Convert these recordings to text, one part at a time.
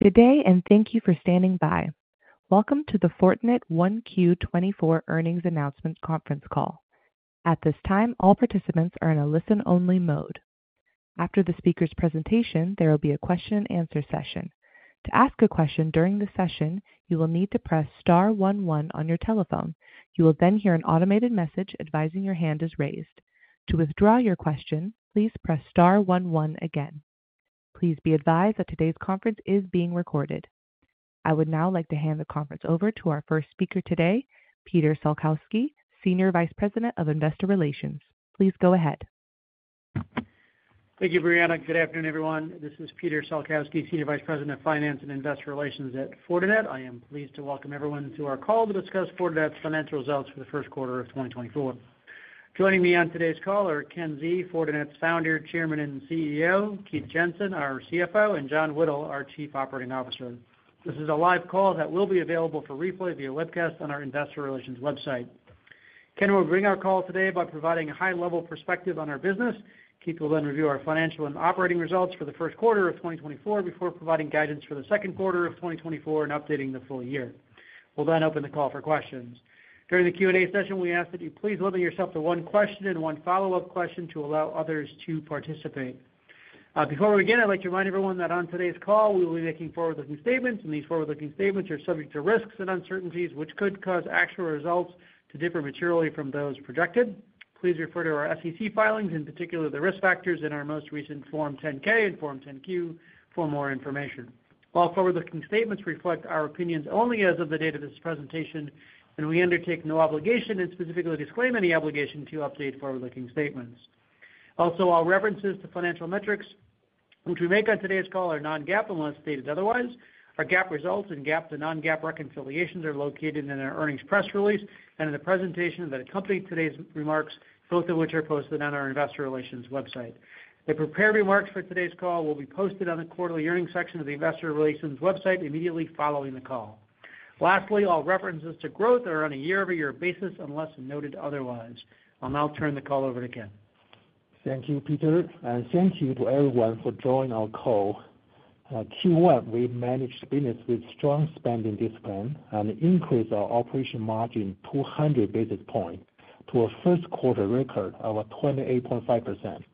Good day, and thank you for standing by. Welcome to the Fortinet 1Q 2024 earnings announcement conference call. At this time, all participants are in a listen-only mode. After the speaker's presentation, there will be a question and answer session. To ask a question during the session, you will need to press star one one on your telephone. You will then hear an automated message advising your hand is raised. To withdraw your question, please press star one one again. Please be advised that today's conference is being recorded. I would now like to hand the conference over to our first speaker today, Peter Salkowski, Senior Vice President of Investor Relations. Please go ahead. Thank you, Brianna. Good afternoon, everyone. This is Peter Salkowski, Senior Vice President of Finance and Investor Relations at Fortinet. I am pleased to welcome everyone to our call to discuss Fortinet's financial results for the first quarter of 2024. Joining me on today's call are Ken Xie, Fortinet's Founder, Chairman, and CEO, Keith Jensen, our CFO, and John Whittle, our Chief Operating Officer. This is a live call that will be available for replay via webcast on our investor relations website. Ken will begin our call today by providing a high-level perspective on our business. Keith will then review our financial and operating results for the first quarter of 2024 before providing guidance for the second quarter of 2024 and updating the full year. We'll then open the call for questions. During the Q&A session, we ask that you please limit yourself to one question and one follow-up question to allow others to participate. Before we begin, I'd like to remind everyone that on today's call, we will be making forward-looking statements, and these forward-looking statements are subject to risks and uncertainties, which could cause actual results to differ materially from those projected. Please refer to our SEC filings, in particular, the risk factors in our most recent Form 10-K and Form 10-Q for more information. All forward-looking statements reflect our opinions only as of the date of this presentation, and we undertake no obligation and specifically disclaim any obligation to update forward-looking statements. Also, all references to financial metrics which we make on today's call are non-GAAP unless stated otherwise. Our GAAP results and GAAP to non-GAAP reconciliations are located in our earnings press release and in the presentation that accompany today's remarks, both of which are posted on our investor relations website. The prepared remarks for today's call will be posted on the quarterly earnings section of the investor relations website immediately following the call. Lastly, all references to growth are on a year-over-year basis, unless noted otherwise. I'll now turn the call over to Ken. Thank you, Peter, and thank you to everyone for joining our call. Q1, we managed business with strong spending discipline and increased our operating margin 200 basis points to a first quarter record of 28.5%.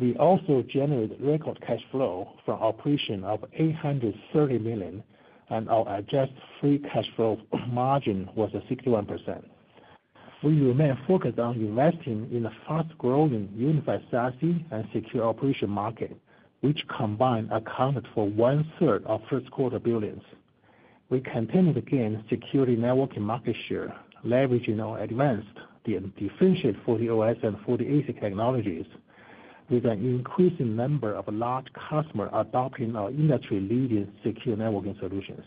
We also generated record cash flow from operations of $830 million, and our adjusted free cash flow margin was at 61%. We remain focused on investing in a fast-growing unified SASE and secure operations market, which combined accounted for one-third of first quarter billings. We continued to gain security networking market share, leveraging our advanced and differentiated FortiOS and FortiASIC technologies, with an increasing number of large customers adopting our industry-leading secure networking solutions.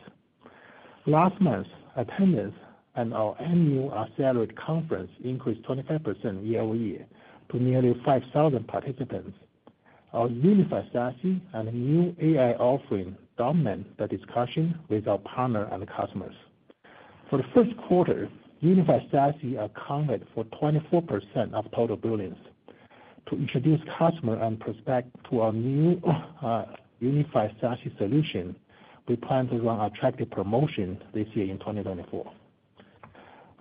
Last month, attendance at our annual Accelerate conference increased 25% year-over-year to nearly 5,000 participants. Our Unified SASE and new AI offering dominate the discussion with our partner and customers. For the first quarter, Unified SASE accounted for 24% of total billings. To introduce customer and prospect to our new Unified SASE solution, we plan to run attractive promotion this year in 2024.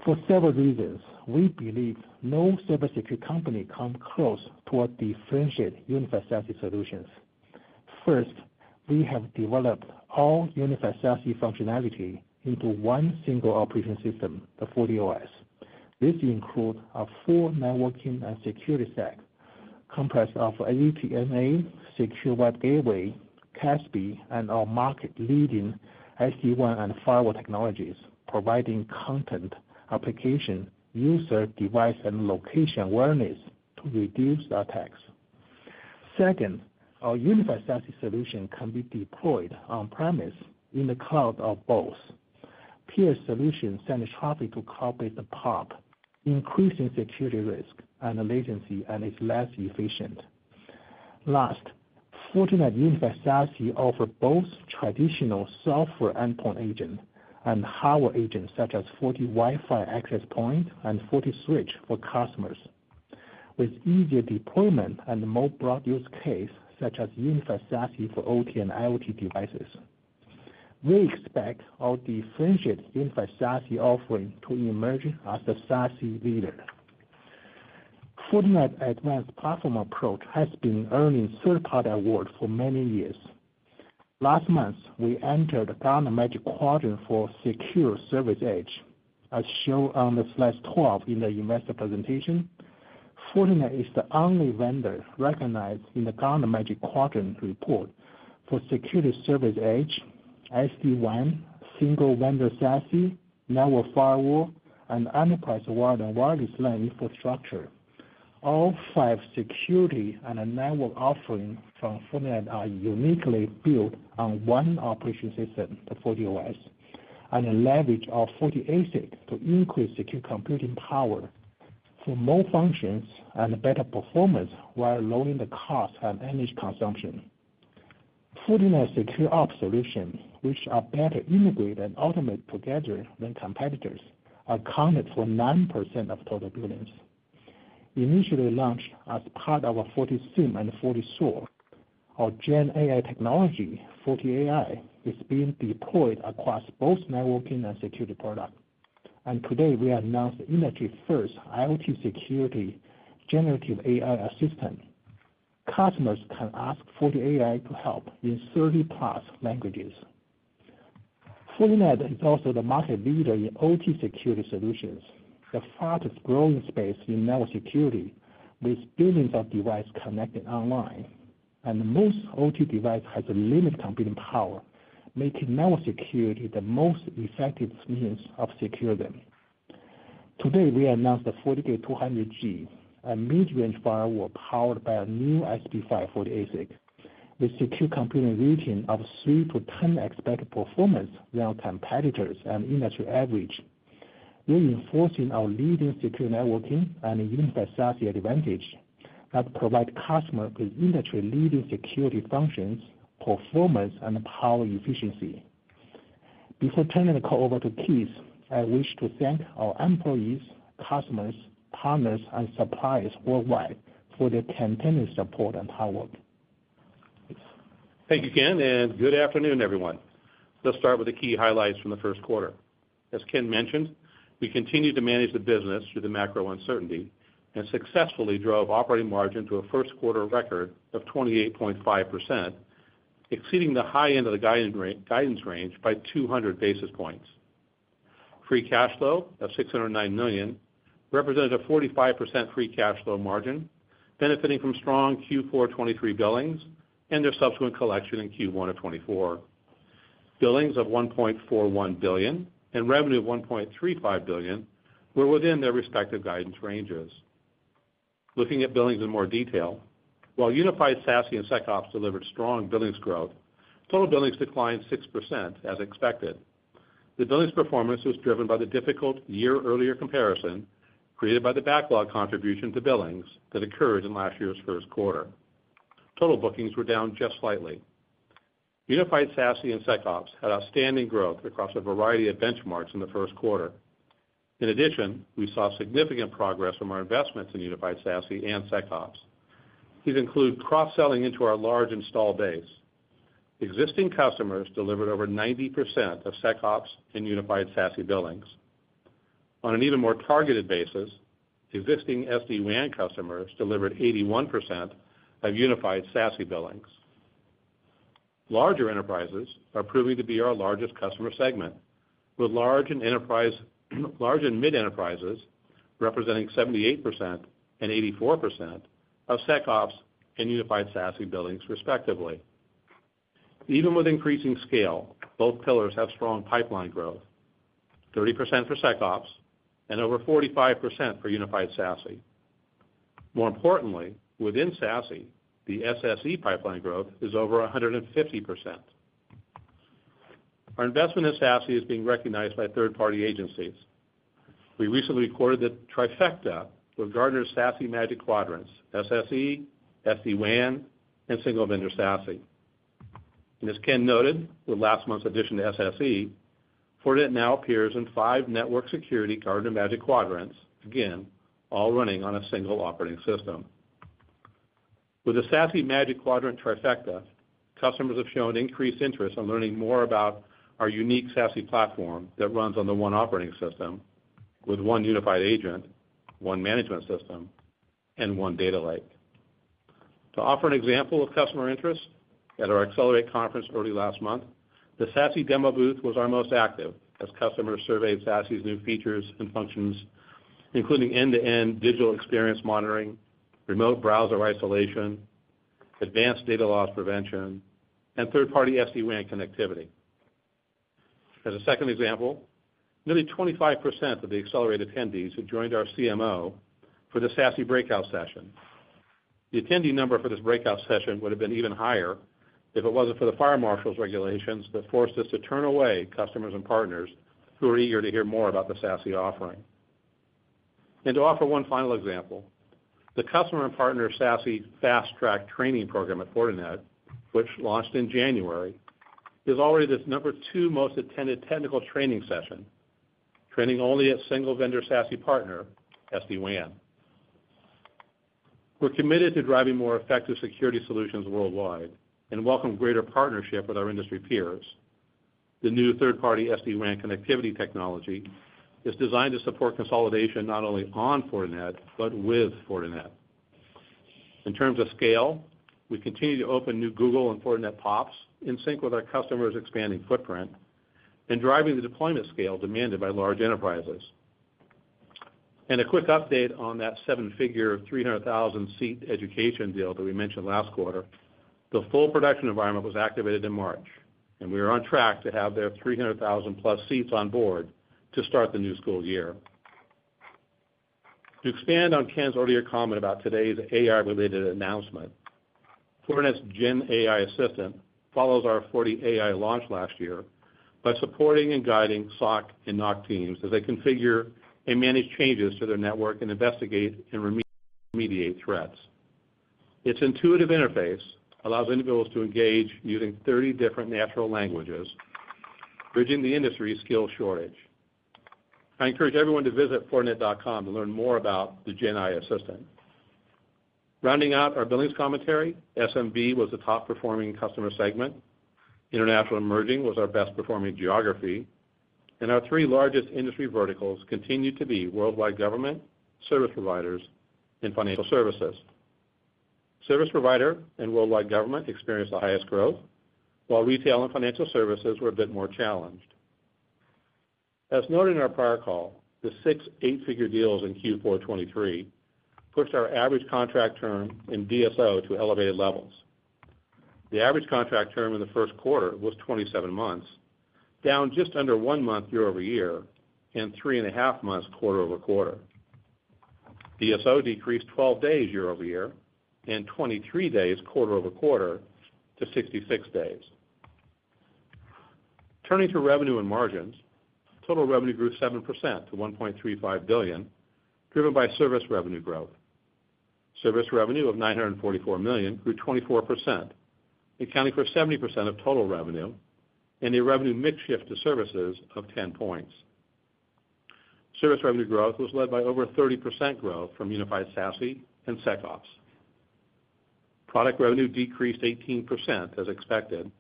For several reasons, we believe no service security company come close to our differentiated Unified SASE solutions. First, we have developed all Unified SASE functionality into one single operating system, the FortiOS. This include a full networking and security stack comprised of SSE, Secure Web Gateway, CASB, and our market-leading SD-WAN and firewall technologies, providing content, application, user, device, and location awareness to reduce attacks. Second, our Unified SASE solution can be deployed on-premise in the cloud or both. Peer solutions send traffic to the closest POP, increasing security risk and latency and is less efficient. Last, Fortinet Unified SASE offer both traditional software endpoint agent and hardware agents, such as FortiWiFi access point and FortiSwitch for customers, with easier deployment and more broad use case, such as Unified SASE for OT and IoT devices. We expect our differentiated Unified SASE offering to emerge as a SASE leader. Fortinet advanced platform approach has been earning third-party award for many years. Last month, we entered the Gartner Magic Quadrant for Security Service Edge, as shown on the slide 12 in the investor presentation. Fortinet is the only vendor recognized in the Gartner Magic Quadrant report for Security Service Edge, SD-WAN, Single-Vendor SASE, and Network Firewalls, and Enterprise Wired and Wireless LAN Infrastructure. All five security and network offerings from Fortinet are uniquely built on one operating system, the FortiOS, and we leverage our FortiASIC to increase secure computing power for more functions and better performance, while lowering the cost and energy consumption. Fortinet SecOps solutions, which are better integrated and automated together than competitors, accounted for 9% of total billings. Initially launched as part of our FortiSIEM and FortiSOAR, our GenAI technology, FortiAI, is being deployed across both networking and security products. Today, we announced the industry-first IoT security generative AI assistant. Customers can ask FortiAI to help in 30+ languages. Fortinet is also the market leader in OT security solutions, the fastest-growing space in network security, with billions of devices connected online. Most OT devices have a limited computing power, making network security the most effective means of securing them. Today, we announced the FortiGate 200G, a mid-range firewall powered by a new SP5 ASIC, with secure computing performance 3-10 times better than our competitors and industry average, reinforcing our leading secure networking and Unified SASE advantage that provide customer with industry-leading security functions, performance, and power efficiency. Before turning the call over to Keith, I wish to thank our employees, customers, partners, and suppliers worldwide for their continuous support and hard work. Thank you, Ken, and good afternoon, everyone. Let's start with the key highlights from the first quarter. As Ken mentioned, we continued to manage the business through the macro uncertainty and successfully drove operating margin to a first quarter record of 28.5%, exceeding the high end of the guidance range by 200 basis points. Free cash flow of $609 million represented a 45% free cash flow margin, benefiting from strong Q4 2023 billings and their subsequent collection in Q1 2024. Billings of $1.41 billion and revenue of $1.35 billion were within their respective guidance ranges. Looking at billings in more detail, while Unified SASE and SecOps delivered strong billings growth, total billings declined 6% as expected. The billings performance was driven by the difficult year-earlier comparison created by the backlog contribution to billings that occurred in last year's first quarter. Total bookings were down just slightly. Unified SASE and SecOps had outstanding growth across a variety of benchmarks in the first quarter. In addition, we saw significant progress from our investments in Unified SASE and SecOps. These include cross-selling into our large installed base. Existing customers delivered over 90% of SecOps and Unified SASE billings. On an even more targeted basis, existing SD-WAN customers delivered 81% of Unified SASE billings. Larger enterprises are proving to be our largest customer segment, with large and enterprise, large and mid enterprises representing 78% and 84% of SecOps and Unified SASE billings, respectively. Even with increasing scale, both pillars have strong pipeline growth: 30% for SecOps and over 45% for Unified SASE. More importantly, within SASE, the SSE pipeline growth is over 150%. Our investment in SASE is being recognized by third-party agencies. We recently recorded the trifecta with Gartner's SASE Magic Quadrants, SSE, SD-WAN, and single-vendor SASE. As Ken noted, with last month's addition to SSE, Fortinet now appears in five network security Gartner Magic Quadrants, again, all running on a single operating system. With the SASE Magic Quadrant trifecta, customers have shown increased interest in learning more about our unique SASE platform that runs on the one operating system with one unified agent, one management system, and one data lake. To offer an example of customer interest, at our Accelerate conference early last month, the SASE demo booth was our most active as customers surveyed SASE's new features and functions, including end-to-end digital experience monitoring, remote browser isolation, advanced data loss prevention, and third-party SD-WAN connectivity. As a second example, nearly 25% of the Accelerate attendees who joined our CMO for the SASE breakout session. The attendee number for this breakout session would have been even higher if it wasn't for the fire marshal's regulations that forced us to turn away customers and partners who were eager to hear more about the SASE offering. To offer one final example, the customer and partner SASE Fast Track training program at Fortinet, which launched in January, is already the number 2 most attended technical training session, training only a Single-Vendor SASE partner, SD-WAN. We're committed to driving more effective security solutions worldwide and welcome greater partnership with our industry peers. The new third-party SD-WAN connectivity technology is designed to support consolidation not only on Fortinet but with Fortinet. In terms of scale, we continue to open new Google and Fortinet POPs in sync with our customers' expanding footprint and driving the deployment scale demanded by large enterprises. A quick update on that seven-figure, 300,000-seat education deal that we mentioned last quarter. The full production environment was activated in March, and we are on track to have their 300,000-plus seats on board to start the new school year. To expand on Ken's earlier comment about today's AI-related announcement, Fortinet's GenAI Assistant follows our FortiAI launch last year by supporting and guiding SOC and NOC teams as they configure and manage changes to their network and investigate and remediate threats. Its intuitive interface allows individuals to engage using 30 different natural languages... bridging the industry skill shortage. I encourage everyone to visit Fortinet.com to learn more about the GenAI assistant. Rounding out our billings commentary, SMB was the top performing customer segment. International emerging was our best performing geography, and our three largest industry verticals continued to be worldwide government, service providers, and financial services. Service provider and worldwide government experienced the highest growth, while retail and financial services were a bit more challenged. As noted in our prior call, the six eight-figure deals in Q4 2023 pushed our average contract term in DSO to elevated levels. The average contract term in the first quarter was 27 months, down just under one month year-over-year, and three and a half months quarter-over-quarter. DSO decreased 12 days year-over-year and 23 days quarter-over-quarter to 66 days. Turning to revenue and margins, total revenue grew 7% to $1.35 billion, driven by service revenue growth. Service revenue of $944 million grew 24%, accounting for 70% of total revenue, and a revenue mix shift to services of 10 points. Service revenue growth was led by over 30% growth from Unified SASE and SecOps. Product revenue decreased 18% as expected,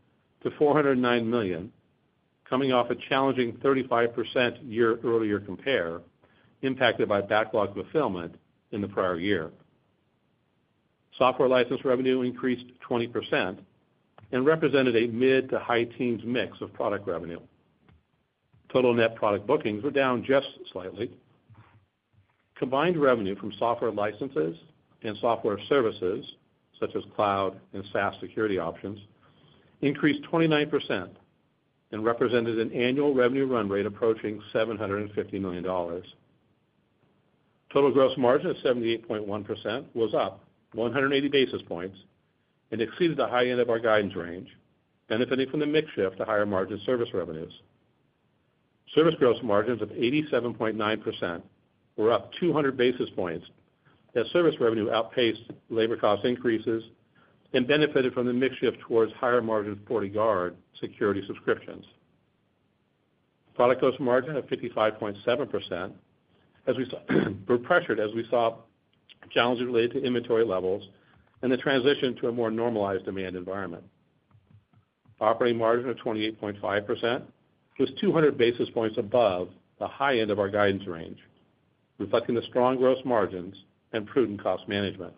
to $409 million, coming off a challenging 35% year-earlier compare, impacted by backlog fulfillment in the prior year. Software license revenue increased 20% and represented a mid- to high-teens mix of product revenue. Total net product bookings were down just slightly. Combined revenue from software licenses and software services, such as cloud and SaaS security options, increased 29% and represented an annual revenue run rate approaching $750 million. Total gross margin of 78.1% was up 180 basis points and exceeded the high end of our guidance range, benefiting from the mix shift to higher margin service revenues. Service gross margins of 87.9% were up 200 basis points, as service revenue outpaced labor cost increases and benefited from the mix shift towards higher margin FortiGuard security subscriptions. Product gross margin of 55.7% were pressured, as we saw challenges related to inventory levels and the transition to a more normalized demand environment. Operating margin of 28.5% was 200 basis points above the high end of our guidance range, reflecting the strong gross margins and prudent cost management.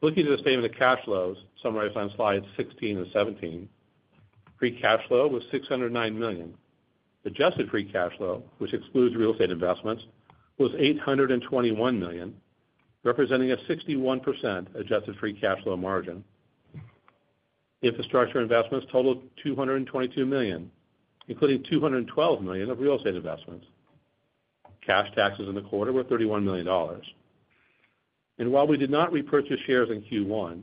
Looking at the statement of cash flows, summarized on slides 16 and 17, free cash flow was $609 million. Adjusted free cash flow, which excludes real estate investments, was $821 million, representing a 61% adjusted free cash flow margin. Infrastructure investments totaled $222 million, including $212 million of real estate investments. Cash taxes in the quarter were $31 million. While we did not repurchase shares in Q1,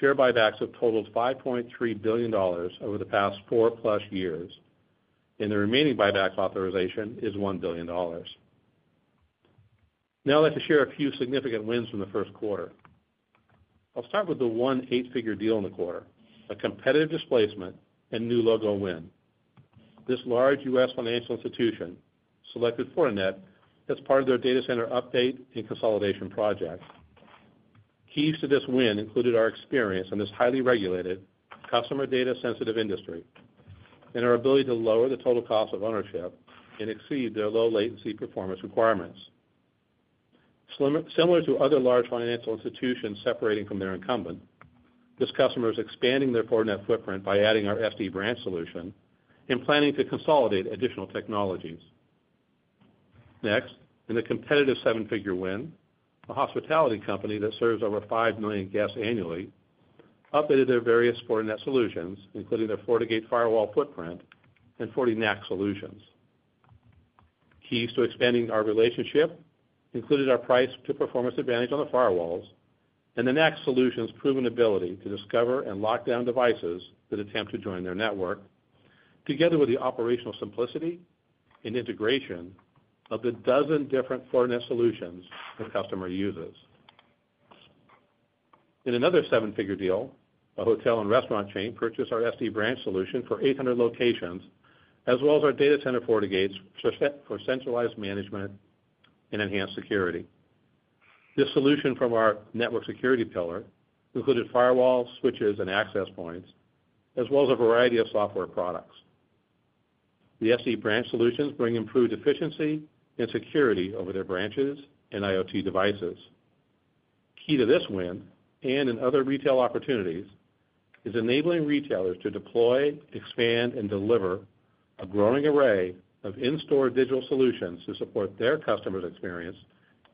share buybacks have totaled $5.3 billion over the past 4+ years, and the remaining buyback authorization is $1 billion. Now I'd like to share a few significant wins from the first quarter. I'll start with the 1 8-figure deal in the quarter, a competitive displacement and new logo win. This large U.S. financial institution selected Fortinet as part of their data center update and consolidation project. Keys to this win included our experience in this highly regulated customer data sensitive industry, and our ability to lower the total cost of ownership and exceed their low latency performance requirements. Similar to other large financial institutions separating from their incumbent, this customer is expanding their Fortinet footprint by adding our SD-Branch solution and planning to consolidate additional technologies. Next, in a competitive 7-figure win, a hospitality company that serves over 5 million guests annually updated their various Fortinet solutions, including their FortiGate firewall footprint and FortiNAC solutions. Keys to expanding our relationship included our price to performance advantage on the firewalls and the NAC solution's proven ability to discover and lock down devices that attempt to join their network, together with the operational simplicity and integration of the 12 different Fortinet solutions the customer uses. In another seven-figure deal, a hotel and restaurant chain purchased our SD-Branch solution for 800 locations, as well as our data center FortiGates for centralized management and enhanced security. This solution from our network security pillar included firewalls, switches, and access points, as well as a variety of software products. The SD-Branch solutions bring improved efficiency and security over their branches and IoT devices. Key to this win, and in other retail opportunities, is enabling retailers to deploy, expand, and deliver a growing array of in-store digital solutions to support their customers' experience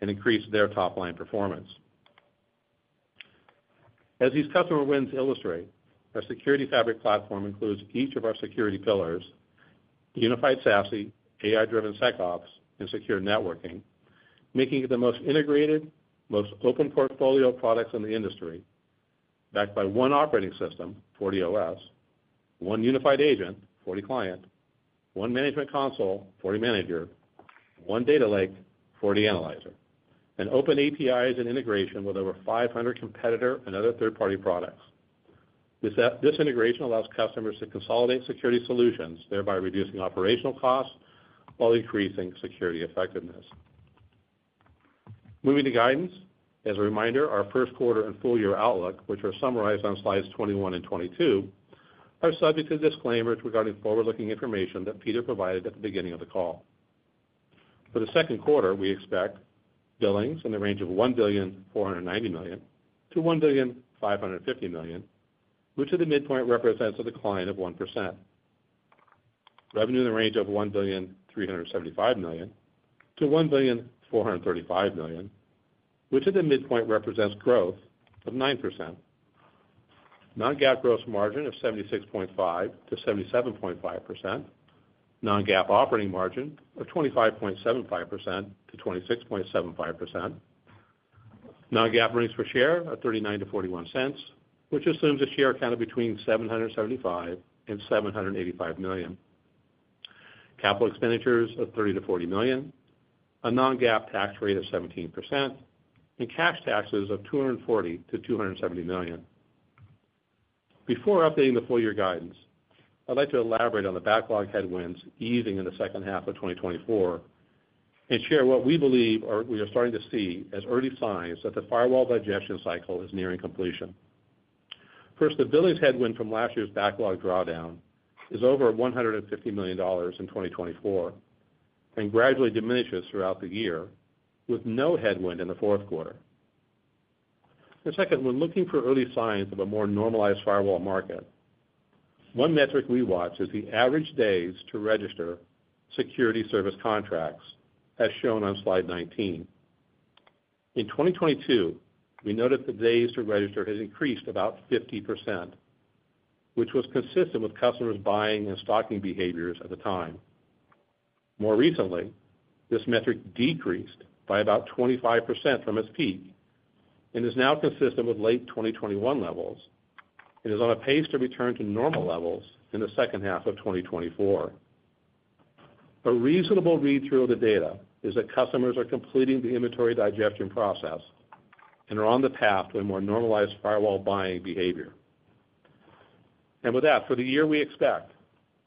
and increase their top-line performance. As these customer wins illustrate, our security fabric platform includes each of our security pillars, Unified SASE, AI-driven SecOps, and secure networking, making it the most integrated, most open portfolio of products in the industry, backed by one operating system, FortiOS, one unified agent, FortiClient, one management console FortiManager, one data lake FortiAnalyzer, and open APIs and integration with over 500 competitor and other third-party products. This integration allows customers to consolidate security solutions, thereby reducing operational costs while increasing security effectiveness. Moving to guidance, as a reminder, our first quarter and full-year outlook, which are summarized on slides 21 and 22, are subject to disclaimers regarding forward-looking information that Peter provided at the beginning of the call. For the second quarter, we expect billings in the range of $1.49 billion-$1.55 billion, which at the midpoint represents a decline of 1%. Revenue in the range of $1.375 billion-$1.435 billion, which at the midpoint represents growth of 9%. Non-GAAP gross margin of 76.5%-77.5%. Non-GAAP operating margin of 25.75%-26.75%. Non-GAAP earnings per share of $0.39-$0.41, which assumes a share count between 775 and 785 million. Capital expenditures of $30-$40 million, a non-GAAP tax rate of 17%, and cash taxes of $240-$270 million. Before updating the full-year guidance, I'd like to elaborate on the backlog headwinds easing in the second half of 2024, and share what we believe or we are starting to see as early signs that the firewall digestion cycle is nearing completion. First, the billings headwind from last year's backlog drawdown is over $150 million in 2024 and gradually diminishes throughout the year, with no headwind in the fourth quarter. And second, when looking for early signs of a more normalized firewall market, one metric we watch is the average days to register security service contracts, as shown on slide 19. In 2022, we noted the days to register has increased about 50%, which was consistent with customers' buying and stocking behaviors at the time. More recently, this metric decreased by about 25% from its peak and is now consistent with late 2021 levels, and is on a pace to return to normal levels in the second half of 2024. A reasonable read through of the data is that customers are completing the inventory digestion process and are on the path to a more normalized firewall buying behavior. And with that, for the year, we expect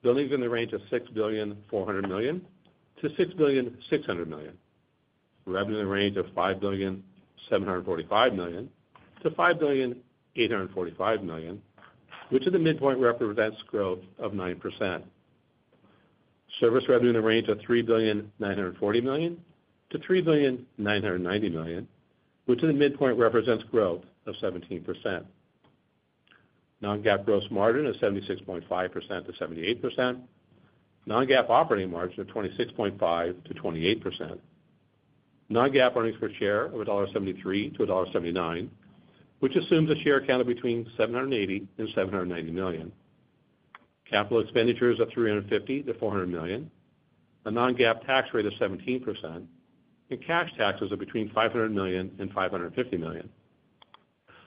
billings in the range of $6.4 billion-$6.6 billion. Revenue in the range of $5.745 billion-$5.845 billion, which at the midpoint represents growth of 9%. Service revenue in the range of $3.94 billion-$3.99 billion, which at the midpoint represents growth of 17%. Non-GAAP gross margin of 76.5%-78%. Non-GAAP operating margin of 26.5%-28%. Non-GAAP earnings per share of $1.73-$1.79, which assumes a share count between 780 and 790 million. Capital expenditures of $350 million-$400 million, a non-GAAP tax rate of 17%, and cash taxes of between $500 million and $550 million.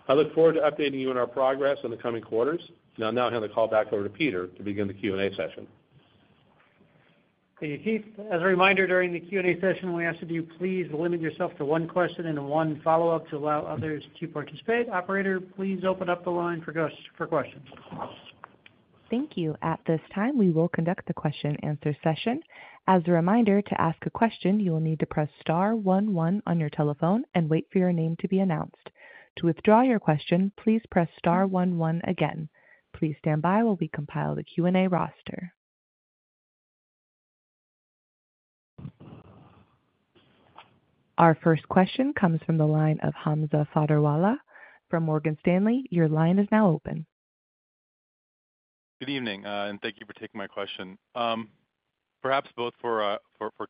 I look forward to updating you on our progress in the coming quarters, and I'll now hand the call back over to Peter to begin the Q&A session. Thank you, Keith. As a reminder, during the Q&A session, we ask that you please limit yourself to one question and one follow-up to allow others to participate. Operator, please open up the line for questions. Thank you. At this time, we will conduct the question-and-answer session. As a reminder, to ask a question, you will need to press star one one on your telephone and wait for your name to be announced. To withdraw your question, please press star one one again. Please stand by while we compile the Q&A roster. Our first question comes from the line of Hamza Fodderwala from Morgan Stanley. Your line is now open. Good evening, and thank you for taking my question. Perhaps both for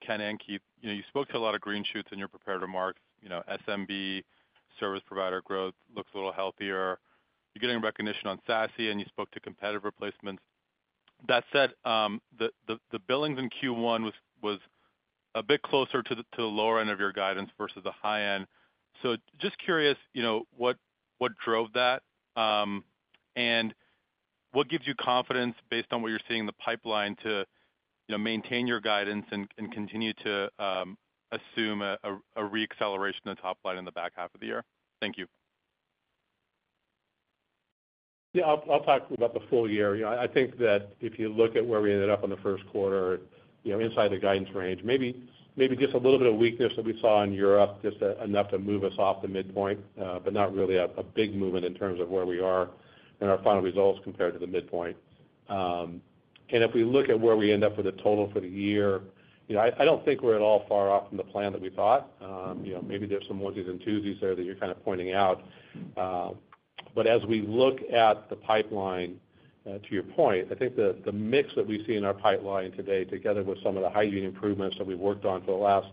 Ken and Keith, you know, you spoke to a lot of green shoots in your prepared remarks. You know, SMB service provider growth looks a little healthier. You're getting recognition on SASE, and you spoke to competitive replacements. That said, the billings in Q1 was a bit closer to the lower end of your guidance versus the high end. So just curious, you know, what drove that, and what gives you confidence based on what you're seeing in the pipeline to, you know, maintain your guidance and continue to assume a re-acceleration in the top line in the back half of the year? Thank you. Yeah, I'll talk about the full year. You know, I think that if you look at where we ended up in the first quarter, you know, inside the guidance range, maybe just a little bit of weakness that we saw in Europe, just enough to move us off the midpoint, but not really a big movement in terms of where we are in our final results compared to the midpoint. And if we look at where we end up with a total for the year, you know, I don't think we're at all far off from the plan that we thought. You know, maybe there's some onesies and twosies there that you're kind of pointing out. But as we look at the pipeline, to your point, I think the mix that we see in our pipeline today, together with some of the hygiene improvements that we've worked on for the last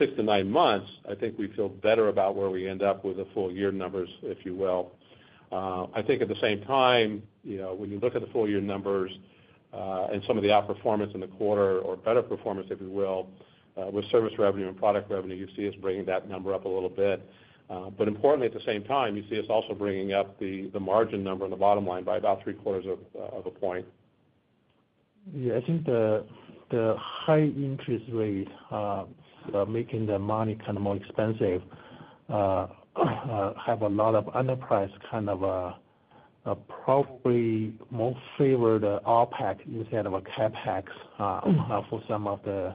6-9 months, I think we feel better about where we end up with the full year numbers, if you will. I think at the same time, you know, when you look at the full year numbers, and some of the outperformance in the quarter or better performance, if you will, with service revenue and product revenue, you see us bringing that number up a little bit. But importantly, at the same time, you see us also bringing up the margin number on the bottom line by about three-quarters of a point.... Yeah, I think the high interest rates are making the money kind of more expensive, have a lot of enterprise kind of probably more favored OpEx instead of a CapEx for some of the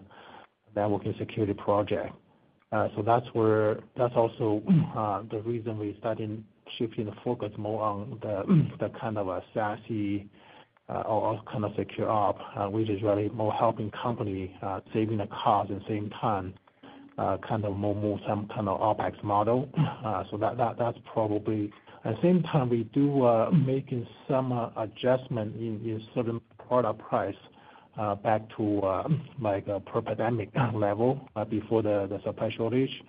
networking security project. So that's where that's also the reason we starting shifting the focus more on the kind of a SASE or kind of SecOps, which is really more helping company saving the cost, at the same time kind of more some kind of OpEx model. So that that's probably... At the same time, we do making some adjustment in certain product price back to like a pre-pandemic level before the supply shortage.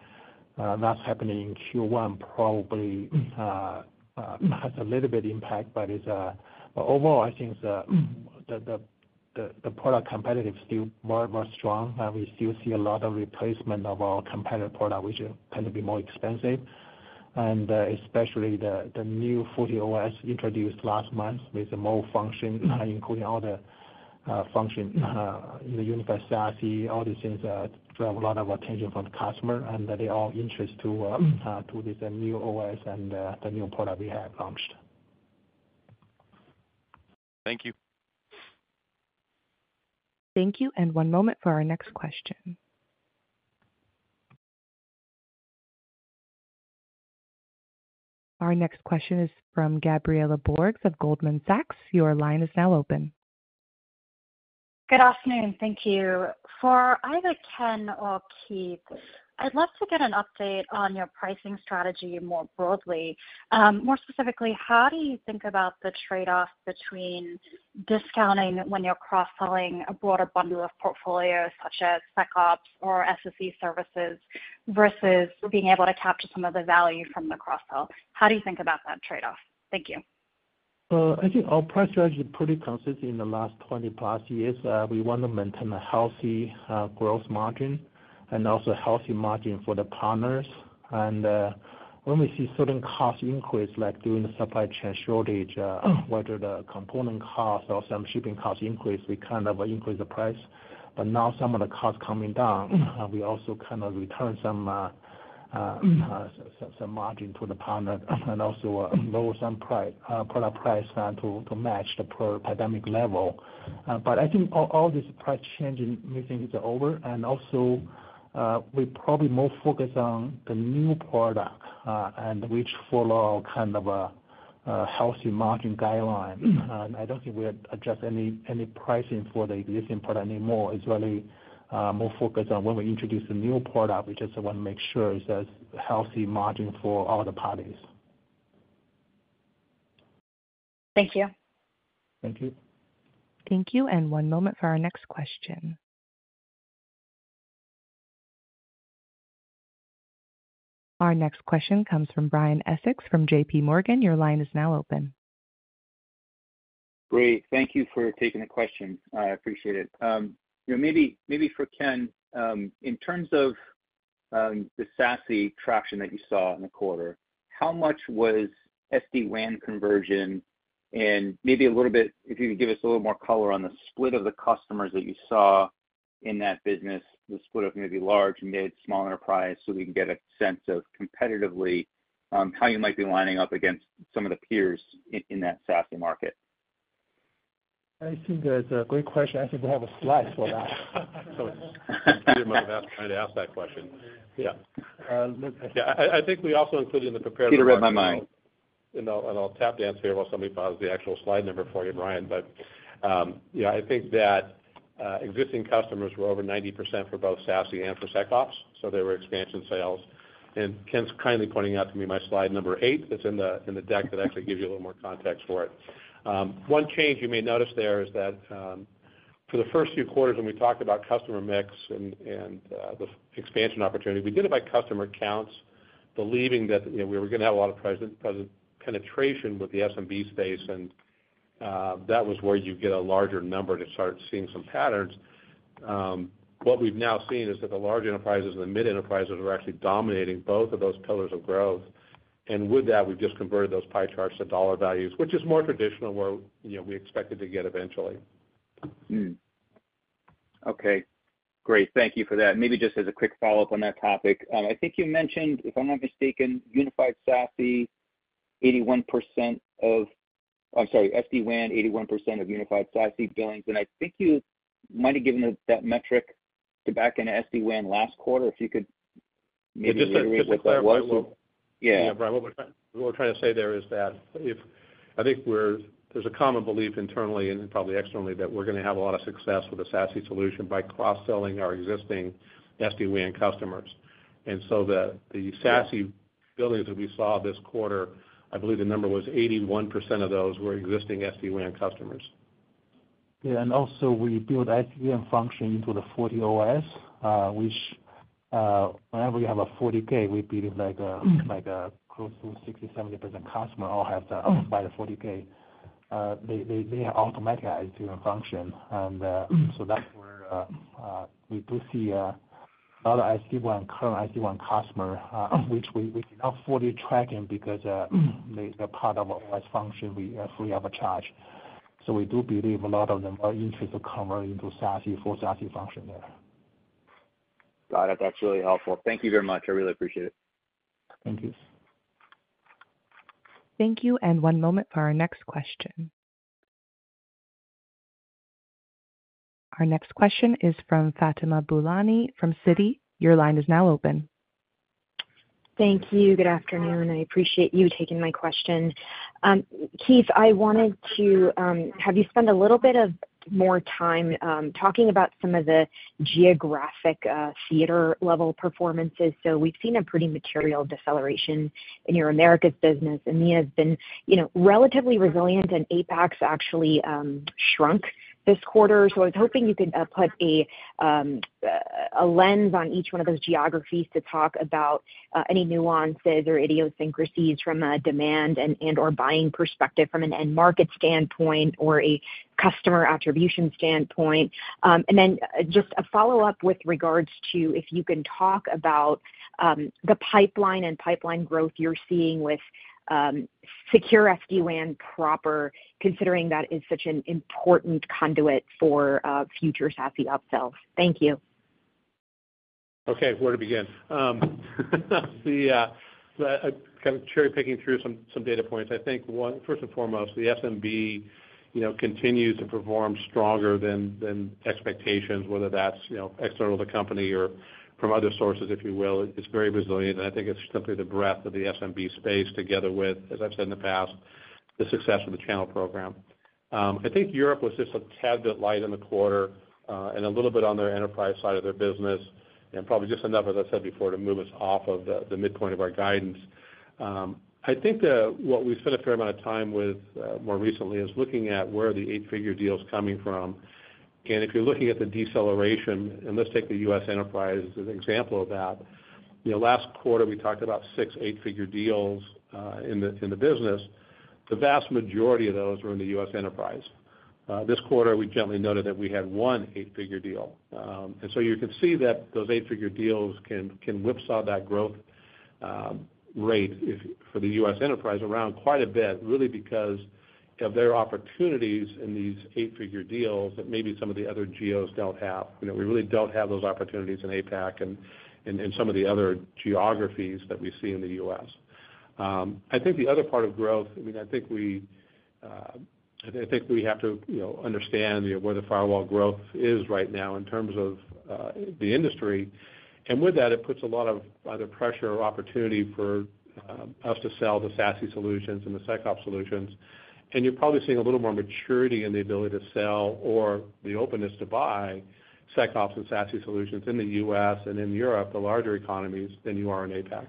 That's happening in Q1, probably, has a little bit impact, but overall, I think the product competitiveness is still more strong, and we still see a lot of replacement of our competitor product, which tend to be more expensive. And, especially the new FortiOS introduced last month with more function, including all the function in the unified SASE. All these things drive a lot of attention from the customer, and they are all interested to this new OS and the new product we have launched. Thank you. Thank you, and one moment for our next question. Our next question is from Gabriela Borges of Goldman Sachs. Your line is now open. Good afternoon. Thank you. For either Ken or Keith, I'd love to get an update on your pricing strategy more broadly. More specifically, how do you think about the trade-off between discounting when you're cross-selling a broader bundle of portfolios, such as SecOps or SSE services, versus being able to capture some of the value from the cross-sell? How do you think about that trade-off? Thank you. I think our price strategy is pretty consistent in the last 20-plus years. We want to maintain a healthy growth margin and also a healthy margin for the partners. When we see certain cost increase, like during the supply chain shortage, whether the component cost or some shipping costs increase, we kind of increase the price. But now some of the costs coming down, we also kind of return some margin to the partner and also lower some product price to match the pre-pandemic level. But I think all this price changing, we think it's over. Also, we probably more focused on the new product and which follow kind of a healthy margin guideline. I don't think we adjust any pricing for the existing product anymore. It's really more focused on when we introduce a new product, we just want to make sure there's a healthy margin for all the parties. Thank you. Thank you. Thank you, and one moment for our next question. Our next question comes from Brian Essex from JP Morgan. Your line is now open. Great. Thank you for taking the question. I appreciate it. You know, maybe, maybe for Ken, in terms of the SASE traction that you saw in the quarter, how much was SD-WAN conversion? And maybe a little bit, if you could give us a little more color on the split of the customers that you saw in that business, the split of maybe large, mid, small enterprise, so we can get a sense of competitively how you might be lining up against some of the peers in that SASE market. I think that's a great question. I think we have a slide for that. So you might have asked me to ask that question. Yeah. Uh, let- Yeah, I think we also included in the prepared- Peter, read my mind. I'll tap dance here while somebody finds the actual slide number for you, Brian. But, yeah, I think that existing customers were over 90% for both SASE and for SecOps, so they were expansion sales. Ken's kindly pointing out to me my slide number 8, that's in the deck, that actually gives you a little more context for it. One change you may notice there is that, for the first few quarters, when we talked about customer mix and the expansion opportunity, we did it by customer counts, believing that, you know, we were going to have a lot of present penetration with the SMB space, and that was where you get a larger number to start seeing some patterns. What we've now seen is that the large enterprises and the mid enterprises are actually dominating both of those pillars of growth. And with that, we've just converted those pie charts to dollar values, which is more traditional, where, you know, we expected to get eventually. Okay, great. Thank you for that. Maybe just as a quick follow-up on that topic. I think you mentioned, if I'm not mistaken, unified SASE, 81% of... I'm sorry, SD-WAN, 81% of unified SASE billings, and I think you might have given us that metric back in SD-WAN last quarter. If you could maybe- Just to, just to clarify a little- Yeah. Yeah, Brian, what we're trying, what we're trying to say there is that if, I think we're - there's a common belief internally and probably externally, that we're going to have a lot of success with the SASE solution by cross-selling our existing SD-WAN customers. And so the SASE billings that we saw this quarter, I believe the number was 81% of those were existing SD-WAN customers. Yeah, and also we build SD-WAN function into the FortiOS, which, whenever we have a FortiGate, we believe, like, a close to 60%-70% customer all have the, buy the FortiGate. They have automatic SD-WAN function. And so that's where we do see a lot of SD-WAN, current SD-WAN customer, which we are not fully tracking because they are part of OS function, we free of charge. So we do believe a lot of them are interested to convert into SASE, full SASE function there. Got it. That's really helpful. Thank you very much. I really appreciate it. Thank you. Thank you, and one moment for our next question. Our next question is from Fatima Boolani from Citi. Your line is now open. Thank you. Good afternoon, I appreciate you taking my question. Keith, I wanted to have you spend a little bit of more time talking about some of the geographic theater-level performances. So we've seen a pretty material deceleration in your Americas business. EMEA has been, you know, relatively resilient, and APAC's actually shrunk this quarter. So I was hoping you could put a lens on each one of those geographies to talk about any nuances or idiosyncrasies from a demand and, and/or buying perspective from an end market standpoint or a customer attribution standpoint. And then just a follow-up with regards to if you can talk about the pipeline and pipeline growth you're seeing with secure SD-WAN proper, considering that is such an important conduit for future SASE upsells. Thank you. Okay, where to begin? The kind of cherry-picking through some data points. I think first and foremost, the SMB, you know, continues to perform stronger than expectations, whether that's external to the company or from other sources, if you will. It's very resilient, and I think it's simply the breadth of the SMB space together with, as I've said in the past, the success of the channel program. I think Europe was just a tad bit light in the quarter, and a little bit on their enterprise side of their business, and probably just enough, as I said before, to move us off of the midpoint of our guidance. I think what we've spent a fair amount of time with more recently is looking at where are the eight-figure deals coming from. If you're looking at the deceleration, and let's take the U.S. enterprise as an example of that, you know, last quarter, we talked about six eight-figure deals in the business. The vast majority of those were in the U.S. enterprise. This quarter, we generally noted that we had one eight-figure deal. And so you can see that those eight-figure deals can whipsaw that growth rate for the U.S. enterprise around quite a bit, really because of their opportunities in these eight-figure deals that maybe some of the other geos don't have. You know, we really don't have those opportunities in APAC and in some of the other geographies that we see in the U.S. I think the other part of growth, I mean, I think we, I think we have to, you know, understand, you know, where the firewall growth is right now in terms of, the industry. And with that, it puts a lot of either pressure or opportunity for, us to sell the SASE solutions and the SecOps solutions. And you're probably seeing a little more maturity in the ability to sell or the openness to buy SecOps and SASE solutions in the U.S. and in Europe, the larger economies, than you are in APAC.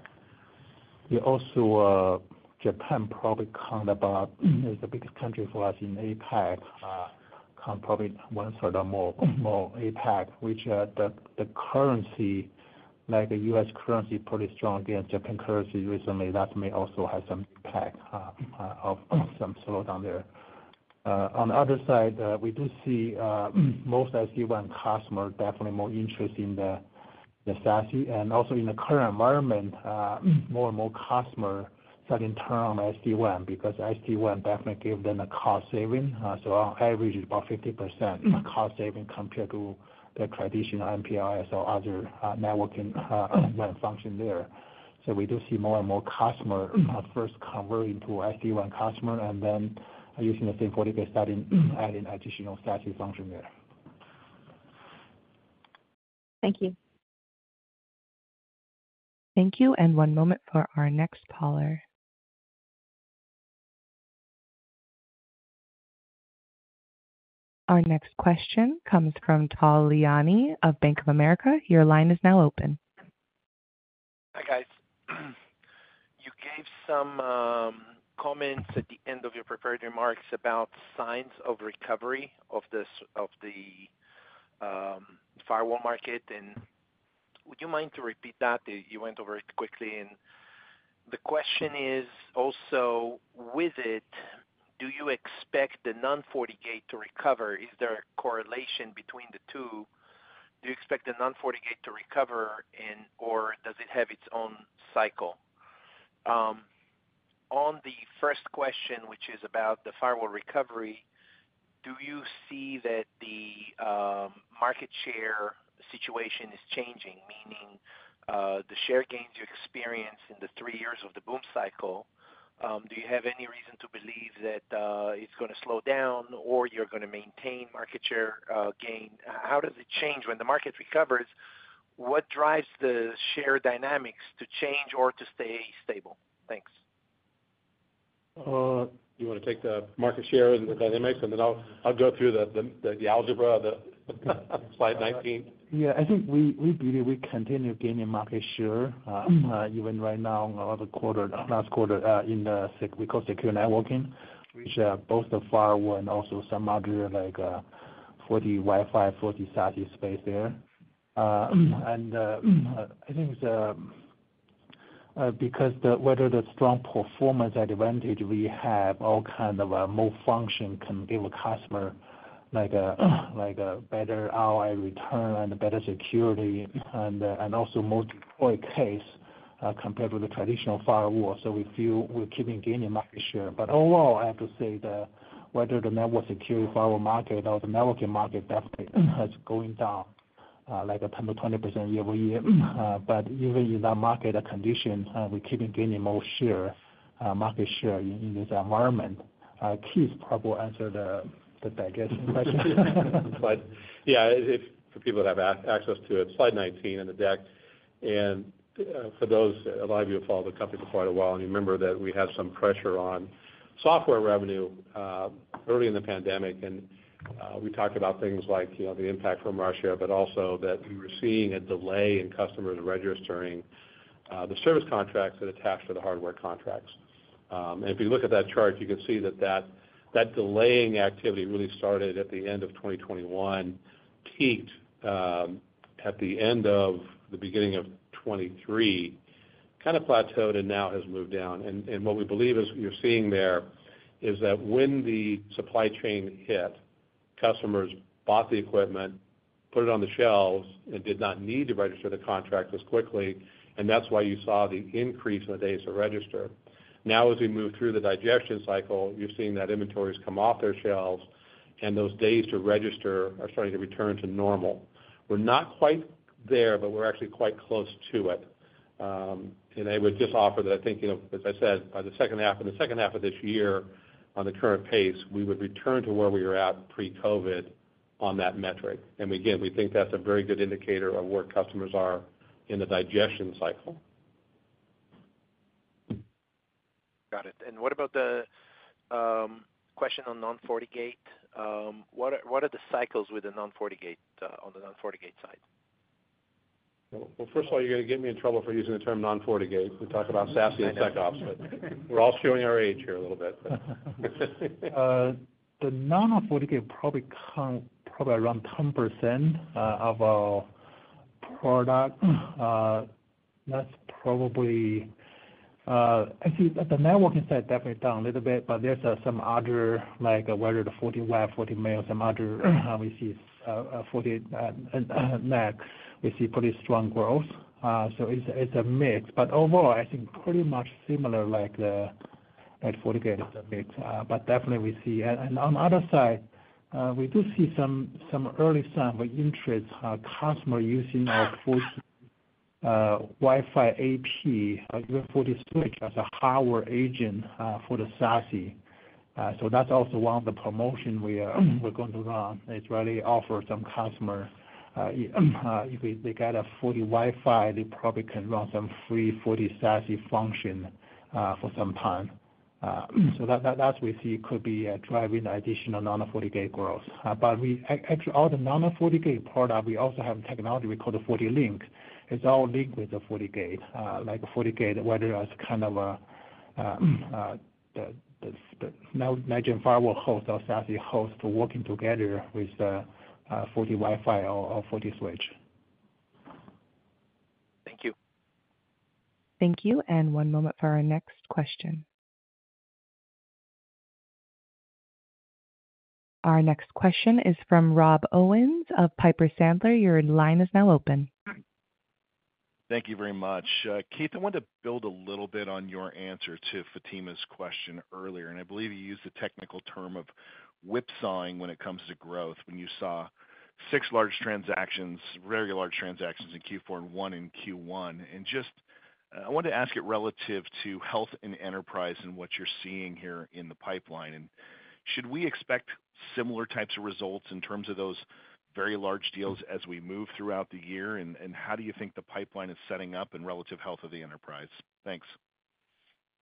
Yeah, also, Japan probably counts about as the biggest country for us in APAC, counts probably as one of the more, more APAC, which, the, the currency, like the U.S. currency, pretty strong against Japan currency recently, that may also have some impact, of some slowdown there. On the other side, we do see, most SD-WAN customers definitely more interest in the, the SASE, and also in the current environment, more and more customers setting up SD-WAN, because SD-WAN definitely gives them a cost saving. So our average is about 50% cost saving compared to the traditional MPLS or other, networking, WAN function there. So we do see more and more customers, first converting to SD-WAN customers and then using the same FortiGate, starting adding additional SASE function there. Thank you. Thank you, and one moment for our next caller. Our next question comes from Tal Liani of Bank of America. Your line is now open. Hi, guys. You gave some comments at the end of your prepared remarks about signs of recovery of the firewall market, and would you mind to repeat that? You went over it quickly, and the question is also, with it, do you expect the non-FortiGate to recover? Is there a correlation between the two? Do you expect the non-FortiGate to recover and, or does it have its own cycle? On the first question, which is about the firewall recovery, do you see that the market share situation is changing, meaning, the share gains you experience in the three years of the boom cycle, do you have any reason to believe that it's gonna slow down or you're gonna maintain market share gain? How does it change when the market recovers? What drives the share dynamics to change or to stay stable? Thanks. You wanna take the market share and the dynamics, and then I'll go through the algebra, the slide 19? Yeah, I think we, we believe we continue gaining market share. Even right now, on the other quarter, last quarter, in the sec- we call secure networking, which, both the firewall and also some other, like, FortiWiFi, FortiSASE space there. And, I think because the, whether the strong performance advantage we have, all kind of, more function can give a customer like a, like a better ROI return and better security, and, and also more use case, compared with the traditional firewall. So we feel we're keeping gaining market share. But overall, I have to say that whether the network security firewall market or the networking market, definitely, has going down, like a 10%-20% year-over-year. But even in that market condition, we keeping gaining more share, market share in, in this environment. Keith probably answer the, the digestion question. But yeah, if for people that have access to it, slide 19 in the deck, and for those, a lot of you have followed the company for quite a while, and you remember that we had some pressure on software revenue early in the pandemic. And we talked about things like, you know, the impact from our share, but also that we were seeing a delay in customers registering the service contracts that attached to the hardware contracts. And if you look at that chart, you can see that delaying activity really started at the end of 2021, peaked at the end of the beginning of 2023, kind of plateaued and now has moved down. And what we believe is, you're seeing there is that when the supply chain hit, customers bought the equipment, put it on the shelves, and did not need to register the contract as quickly, and that's why you saw the increase in the days to register. Now, as we move through the digestion cycle, you're seeing that inventories come off their shelves, and those days to register are starting to return to normal. We're not quite there, but we're actually quite close to it. And I would just offer that I think, you know, as I said, by the second half, in the second half of this year, on the current pace, we would return to where we were at pre-COVID on that metric. And again, we think that's a very good indicator of where customers are in the digestion cycle. Got it. And what about the question on non-FortiGate? What are, what are the cycles with the non-FortiGate on the non-FortiGate side? Well, first of all, you're gonna get me in trouble for using the term non-FortiGate. We talk about SASE and SecOps, but we're all showing our age here a little bit. The non-FortiGate probably come probably around 10% of our product. That's probably, actually, the networking side definitely down a little bit, but there's some other, like, whether the FortiWeb, FortiMail, some other, we see FortiNAC, we see pretty strong growth. So it's a, it's a mix, but overall, I think pretty much similar to like the, like FortiGate is a mix. But definitely we see... And on the other side, we do see some early sign with interest, customer using our FortiAP, even FortiSwitch, as a hardware agent for the SASE. So that's also one of the promotion we're going to run. It's really offer some customer, if they get a FortiWiFi, they probably can run some free FortiSASE function, for some time. So that, that's we see could be driving additional non-FortiGate growth. But actually, all the non-FortiGate product, we also have technology we call the FortiLink. It's all linked with the FortiGate, like FortiGate, whether it's kind of a the next-gen firewall host or SASE host working together with the FortiWiFi or FortiSwitch. Thank you. Thank you, and one moment for our next question. Our next question is from Rob Owens of Piper Sandler. Your line is now open. Thank you very much. Keith, I wanted to build a little bit on your answer to Fatima's question earlier, and I believe you used the technical term of whipsawing when it comes to growth, when you saw six large transactions, very large transactions in Q4 and one in Q1. And just, I wanted to ask it relative to health and enterprise and what you're seeing here in the pipeline. And should we expect similar types of results in terms of those very large deals as we move throughout the year? And, and how do you think the pipeline is setting up and relative health of the enterprise? Thanks.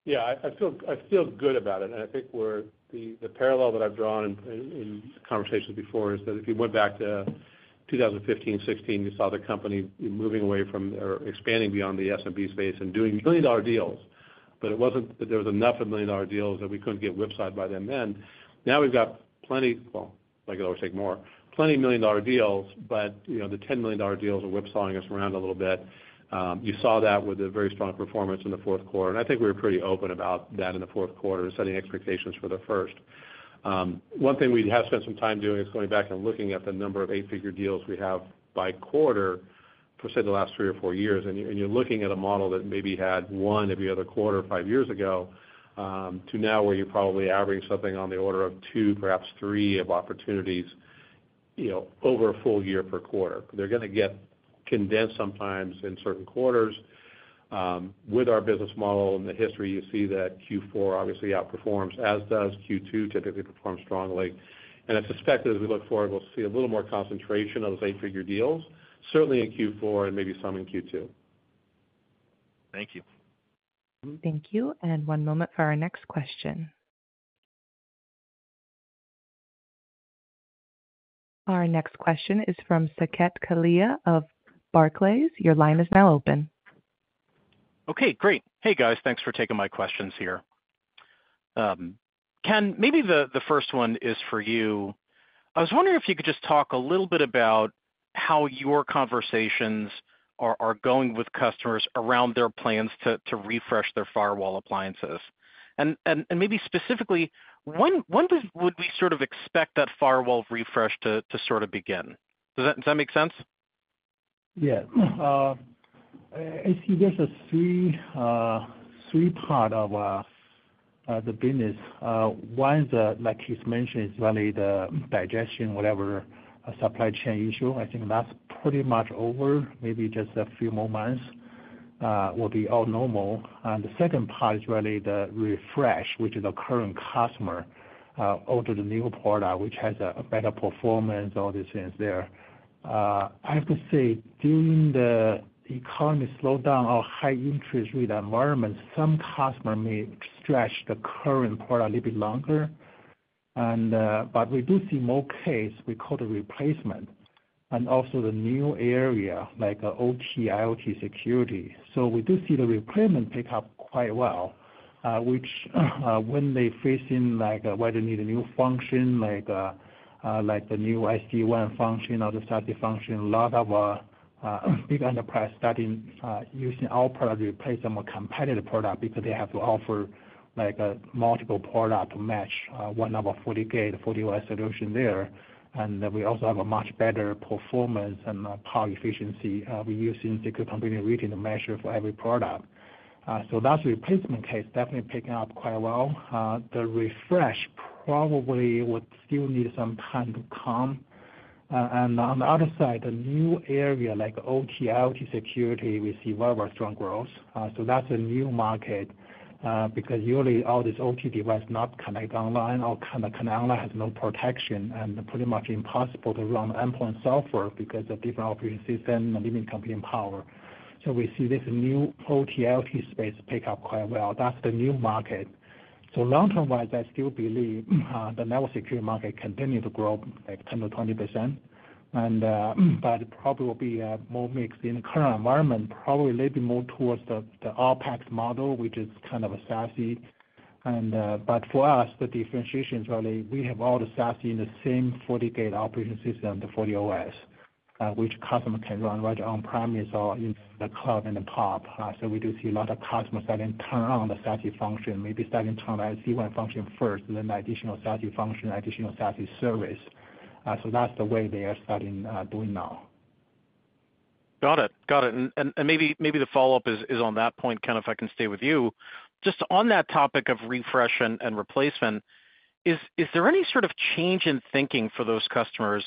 Yeah, I feel good about it, and I think we're... The parallel that I've drawn in conversations before is that if you went back to 2015, 2016, you saw the company moving away from or expanding beyond the SMB space and doing billion-dollar deals. But it wasn't that there was enough million-dollar deals that we couldn't get whipsawed by them then. Now we've got plenty, well, I could always take more, plenty million-dollar deals, but, you know, the 10 million dollar deals are whipsawing us around a little bit. You saw that with a very strong performance in the fourth quarter, and I think we were pretty open about that in the fourth quarter, setting expectations for the first. One thing we have spent some time doing is going back and looking at the number of eight-figure deals we have by quarter for, say, the last 3 or 4 years. And you're, and you're looking at a model that maybe had one every other quarter, 5 years ago, to now, where you're probably averaging something on the order of 2, perhaps 3 of opportunities, you know, over a full year per quarter. They're gonna get condensed sometimes in certain quarters. With our business model and the history, you see that Q4 obviously outperforms, as does Q2 typically performs strongly. And I suspect that as we look forward, we'll see a little more concentration of those eight-figure deals, certainly in Q4 and maybe some in Q2. Thank you. Thank you, and one moment for our next question. Our next question is from Saket Kalia of Barclays. Your line is now open. Okay, great. Hey, guys. Thanks for taking my questions here.... Ken, maybe the first one is for you. I was wondering if you could just talk a little bit about how your conversations are going with customers around their plans to refresh their firewall appliances. And maybe specifically, when would we sort of expect that firewall refresh to sort of begin? Does that make sense? Yeah. I see there's a three, three part of, the business. One is the, like Keith mentioned, is really the digestion, whatever, supply chain issue. I think that's pretty much over. Maybe just a few more months will be all normal. And the second part is really the refresh, which is a current customer over to the new product, which has a better performance, all these things there. I have to say, during the economy slowdown or high interest rate environment, some customer may stretch the current product a little bit longer. And, but we do see more case, we call it replacement, and also the new area, like OT, IoT security. So we do see the replacement pick up quite well, which, when they face an, like, where they need a new function, like, the new SD-WAN function or the SASE function, a lot of big enterprise starting using our product to replace some competitive product because they have to offer, like, a multiple product to match one of our FortiGate, the FortiOS solution there. And then we also have a much better performance and power efficiency, we use ASIC company-leading measure for every product. So that's replacement case, definitely picking up quite well. The refresh probably would still need some time to come. And on the other side, the new area, like OT, IoT security, we see very strong growth. So that's a new market, because usually all these OT devices not connect online or kind of connect online has no protection, and pretty much impossible to run endpoint software because of different operating system and limited computing power. So we see this new OT, IoT space pick up quite well. That's the new market. So long term wise, I still believe, the network security market continue to grow, like 10%-20%. And, but probably will be, more mixed in the current environment, probably a little bit more towards the, the OpEx model, which is kind of a SASE. And, but for us, the differentiation is really, we have all the SASE in the same FortiOS, the FortiOS, which customer can run right on premise or in the cloud and the top. So we do see a lot of customers that can turn on the SASE function, maybe starting to turn on SD-WAN function first, and then additional SASE function, additional SASE service. So that's the way they are starting, doing now. Got it. Got it. And maybe the follow-up is on that point, Ken, if I can stay with you. Just on that topic of refresh and replacement, is there any sort of change in thinking for those customers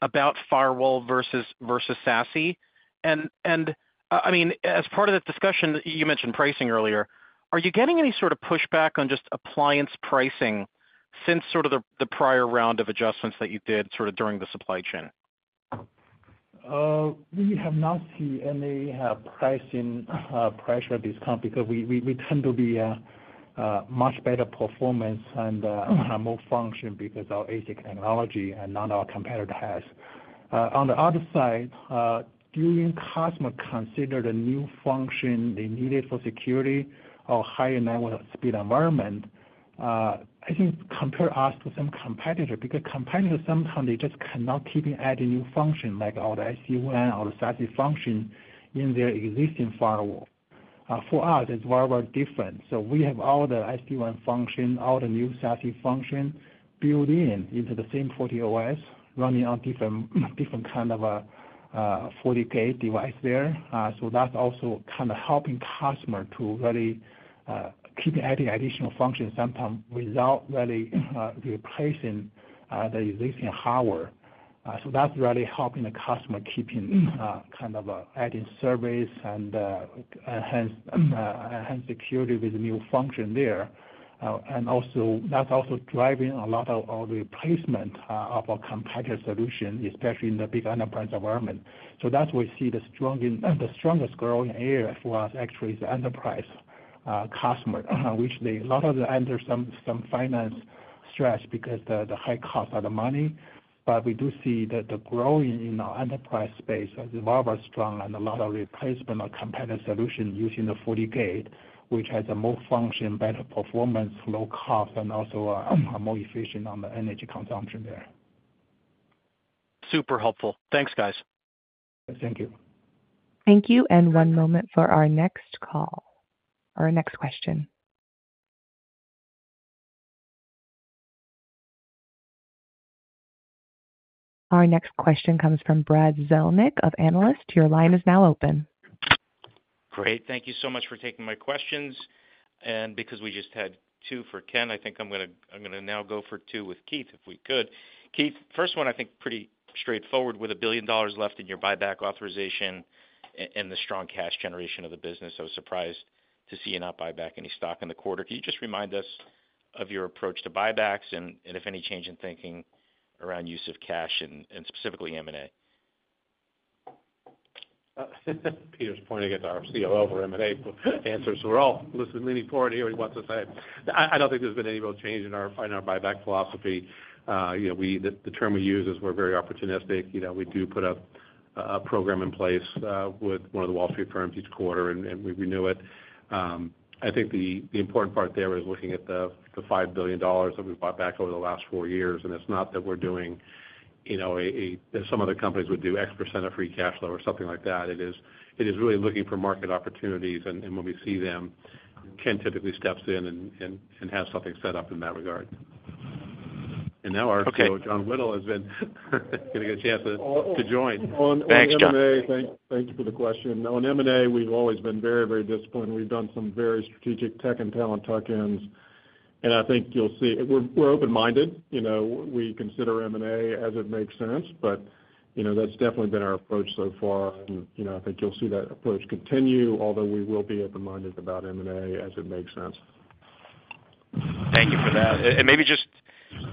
about firewall versus SASE? And I mean, as part of the discussion, you mentioned pricing earlier, are you getting any sort of pushback on just appliance pricing since sort of the prior round of adjustments that you did sort of during the supply chain? We have not seen any pricing pressure discount because we tend to be a much better performance and more function because our ASIC technology and none of our competitor has. On the other side, doing customer consider the new function they needed for security or higher network speed environment, I think compare us to some competitor, because competitor sometime they just cannot keep adding new function like all the SD-WAN or the SASE function in their existing firewall. For us, it's very, very different. So we have all the SD-WAN function, all the new SASE function built in into the same FortiOS, running on different kind of a FortiGate device there. So that's also kind of helping customer to really keep adding additional functions, sometime without really replacing the existing hardware. So that's really helping the customer keeping kind of adding service and enhance security with the new function there. And also, that's also driving a lot of the replacement of a competitor solution, especially in the big enterprise environment. So that's where we see the strongest growing area for us, actually, is the enterprise customer, a lot of them under some finance stress because the high cost of the money. But we do see that the growing in our enterprise space is very, very strong and a lot of replacement of competitive solution using the FortiGate, which has a more function, better performance, low cost, and also more efficient on the energy consumption there. Super helpful. Thanks, guys. Thank you. Thank you, and one moment for our next call or next question. Our next question comes from Brad Zelnick of Deutsche Bank. Your line is now open. Great, thank you so much for taking my questions. Because we just had two for Ken, I think I'm gonna- I'm gonna now go for two with Keith, if we could. Keith, first one, I think, pretty straightforward. With $1 billion left in your buyback authorization and the strong cash generation of the business, I was surprised to see you not buy back any stock in the quarter. Can you just remind us of your approach to buybacks and if any change in thinking around use of cash and specifically M&A? Peter's pointing at our COO for M&A answers, so we're all listening, leaning forward to hear what he wants to say. I don't think there's been any real change in our buyback philosophy. You know, the term we use is we're very opportunistic. You know, we do put up a program in place with one of the Wall Street firms each quarter, and we renew it. I think the important part there is looking at the $5 billion that we've bought back over the last four years. And it's not that we're doing, you know, that some other companies would do X% of free cash flow or something like that. It is really looking for market opportunities, and when we see them, Ken typically steps in and has something set up in that regard. And now our- Okay... John Whittle has been gonna get a chance to join. Thanks, John. Thank you for the question. On M&A, we've always been very, very disciplined. We've done some very strategic tech and talent tuck-ins, and I think you'll see... We're, we're open-minded, you know. We consider M&A as it makes sense, but, you know, that's definitely been our approach so far. And, you know, I think you'll see that approach continue, although we will be open-minded about M&A as it makes sense. Thank you for that. Maybe just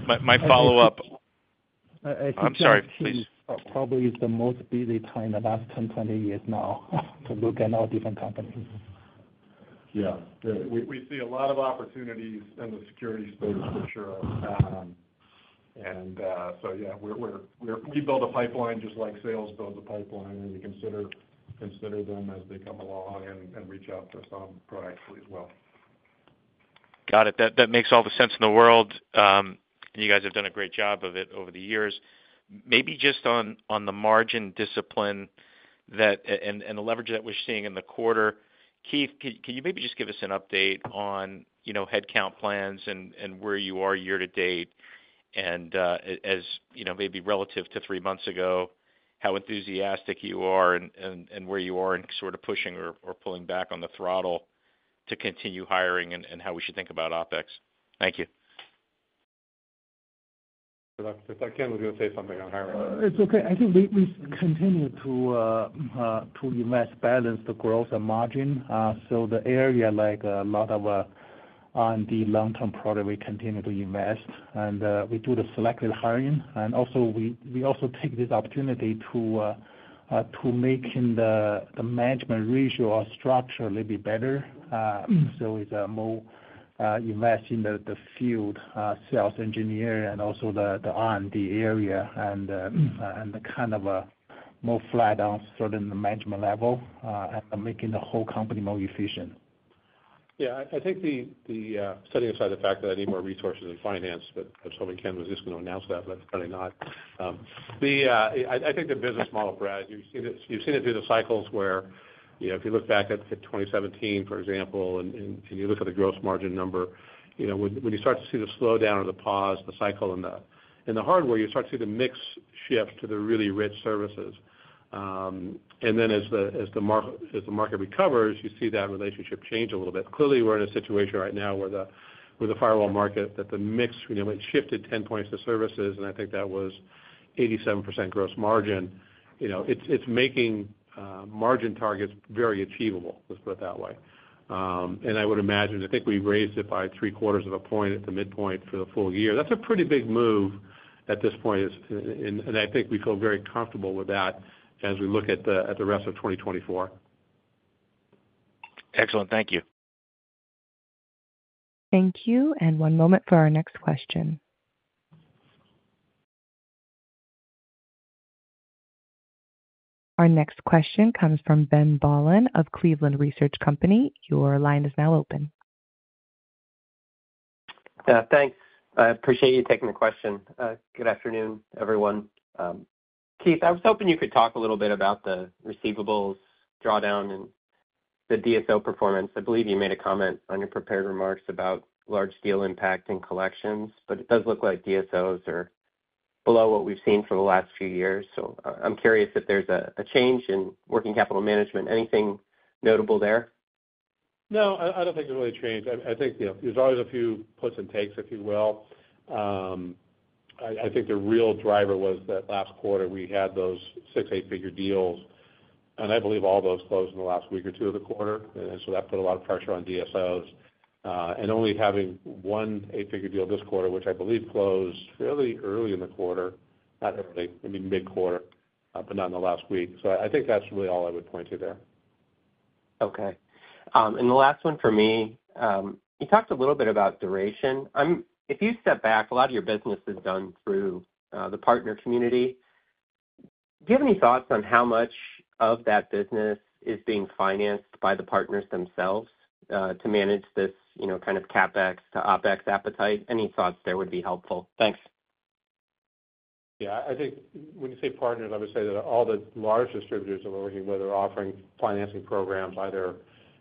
my, my follow-up. I- I'm sorry, please. Probably is the most busy time in the last 10, 20 years now, to look at all different companies. Yeah, we see a lot of opportunities in the security space, for sure. So yeah, we build a pipeline just like sales build a pipeline, and we consider them as they come along and reach out to us proactively as well. Got it. That makes all the sense in the world. And you guys have done a great job of it over the years. Maybe just on the margin discipline and the leverage that we're seeing in the quarter. Keith, can you maybe just give us an update on, you know, headcount plans and where you are year to date? And as you know, maybe relative to three months ago, how enthusiastic you are and where you are in sort of pushing or pulling back on the throttle to continue hiring and how we should think about OpEx? Thank you. In fact, Ken was gonna say something on hiring. It's okay. I think we continue to invest, balance the growth and margin. So the area, like, a lot of on the long-term product, we continue to invest, and we do the selective hiring. And also, we also take this opportunity to making the management ratio or structure a little bit better. So it's more invest in the field sales engineer and also the R&D area, and the kind of more flat on certain management level, and making the whole company more efficient. Yeah, I think the setting aside the fact that I need more resources in finance, but I was hoping Ken was just going to announce that, but apparently not. I think the business model, Brad, you've seen it, you've seen it through the cycles where, you know, if you look back at 2017, for example, and you look at the gross margin number, you know, when you start to see the slowdown or the pause, the cycle and the in the hardware, you start to see the mix shift to the really rich services. And then as the market recovers, you see that relationship change a little bit. Clearly, we're in a situation right now where the, with the firewall market, that the mix, you know, it shifted 10 points to services, and I think that was 87% gross margin. You know, it's making margin targets very achievable, let's put it that way. And I would imagine, I think we've raised it by three-quarters of a point at the midpoint for the full year. That's a pretty big move at this point, and I think we feel very comfortable with that as we look at the rest of 2024. Excellent. Thank you. Thank you, and one moment for our next question. Our next question comes from Ben Bollin of Cleveland Research Company. Your line is now open. Thanks. I appreciate you taking the question. Good afternoon, everyone. Keith, I was hoping you could talk a little bit about the receivables drawdown and the DSO performance. I believe you made a comment on your prepared remarks about large deal impact and collections, but it does look like DSOs are below what we've seen for the last few years. So I'm curious if there's a change in working capital management. Anything notable there? No, I don't think there's really a change. I think, you know, there's always a few puts and takes, if you will. I think the real driver was that last quarter we had those 6 eight-figure deals, and I believe all those closed in the last week or 2 of the quarter. And so that put a lot of pressure on DSOs. And only having 1 eight-figure deal this quarter, which I believe closed fairly early in the quarter. Not early, I mean, mid-quarter, but not in the last week. So I think that's really all I would point to there. Okay. And the last one for me, you talked a little bit about duration. If you step back, a lot of your business is done through the partner community. Do you have any thoughts on how much of that business is being financed by the partners themselves to manage this, you know, kind of CapEx to OpEx appetite? Any thoughts there would be helpful. Thanks. Yeah, I think when you say partners, I would say that all the large distributors that we're working with are offering financing programs, either,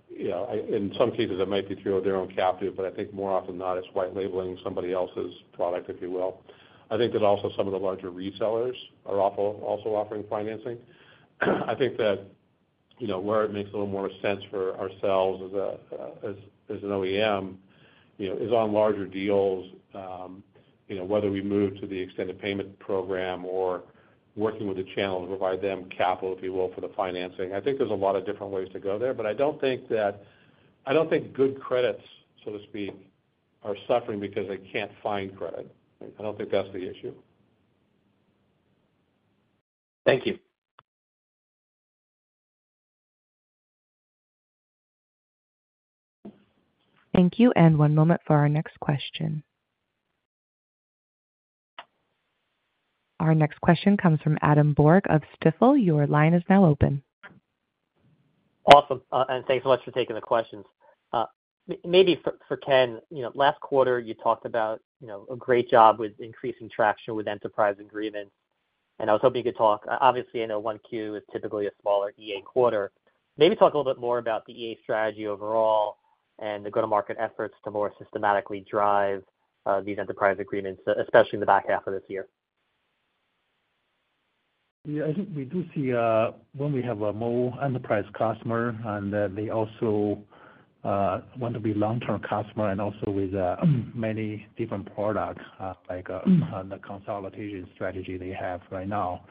you know, in some cases, it might be through their own captive, but I think more often than not, it's white labeling somebody else's product, if you will. I think that also some of the larger resellers are also offering financing. I think that, you know, where it makes a little more sense for ourselves as a, as an OEM, you know, is on larger deals. You know, whether we move to the extended payment program or working with the channel to provide them capital, if you will, for the financing. I think there's a lot of different ways to go there, but I don't think that... I don't think good credits, so to speak, are suffering because they can't find credit. I don't think that's the issue. Thank you. Thank you, and one moment for our next question. Our next question comes from Adam Borg of Stifel. Your line is now open. Awesome, and thanks so much for taking the questions. Maybe for Ken, you know, last quarter, you talked about, you know, a great job with increasing traction with enterprise agreements, and I was hoping you could talk, obviously, I know 1Q is typically a smaller EA quarter. Maybe talk a little bit more about the EA strategy overall and the go-to-market efforts to more systematically drive these enterprise agreements, especially in the back half of this year. Yeah, I think we do see, when we have a more enterprise customer, and, they also, want to be long-term customer and also with, many different products, like, on the consolidation strategy they have right now,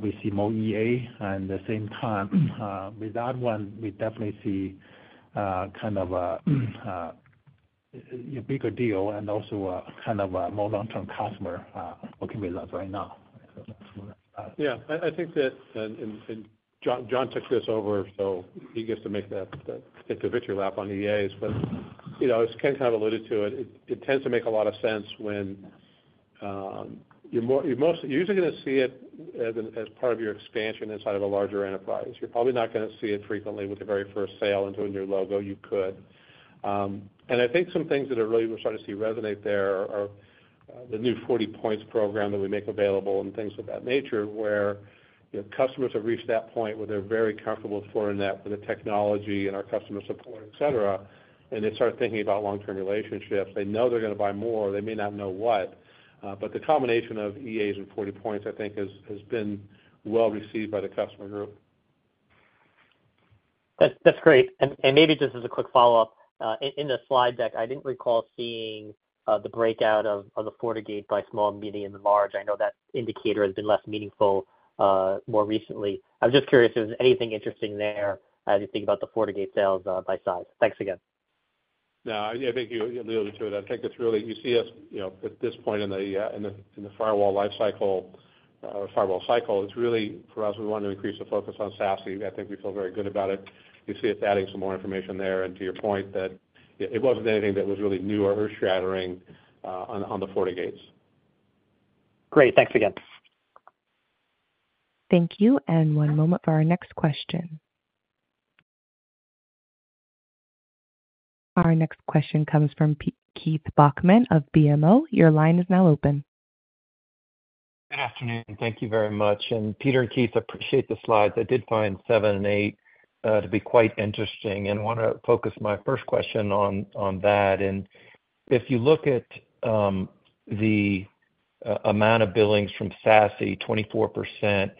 we see more EA. And the same time, with that one, we definitely see, kind of a, a bigger deal and also, kind of a more long-term customer, what can be left right now. Yeah, I think that, and John took this over, so he gets to make the victory lap on EAs. But, you know, as Ken kind of alluded to it, it tends to make a lot of sense when you're usually gonna see it as part of your expansion inside of a larger enterprise. You're probably not gonna see it frequently with the very first sale into a new logo. You could. And I think some things that are really we're starting to see resonate there are the new FortiPoints program that we make available and things of that nature, where, you know, customers have reached that point where they're very comfortable with Fortinet, with the technology and our customer support, et cetera, and they start thinking about long-term relationships. They know they're gonna buy more, they may not know what. But the combination of EAs and FortiPoints, I think, has been well received by the customer group. That's, that's great. And maybe just as a quick follow-up, in the slide deck, I didn't recall seeing the breakout of the FortiGate by small, medium, and large. I know that indicator has been less meaningful more recently. I was just curious if there was anything interesting there as you think about the FortiGate sales by size. Thanks again. No, I think you alluded to it. I think it's really—you see us, you know, at this point in the firewall life cycle, firewall cycle, it's really for us, we want to increase the focus on SASE. I think we feel very good about it. You see us adding some more information there, and to your point, that it wasn't anything that was really new or earth-shattering, on the FortiGates. Great. Thanks again. Thank you, and one moment for our next question. Our next question comes from Keith Bachman of BMO. Your line is now open. Good afternoon. Thank you very much. And Peter and Keith, appreciate the slides. I did find 7 and 8 to be quite interesting and wanna focus my first question on that. And if you look at the amount of billings from SASE, 24%,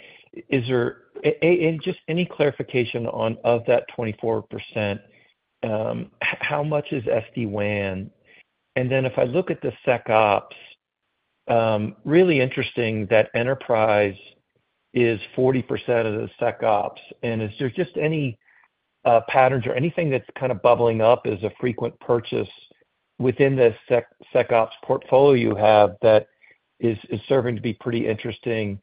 is there any clarification on, of that 24%, how much is SD-WAN? And then if I look at the SecOps, really interesting that enterprise is 40% of the SecOps. And is there just any patterns or anything that's kind of bubbling up as a frequent purchase within the SecOps portfolio you have that is serving to be pretty interesting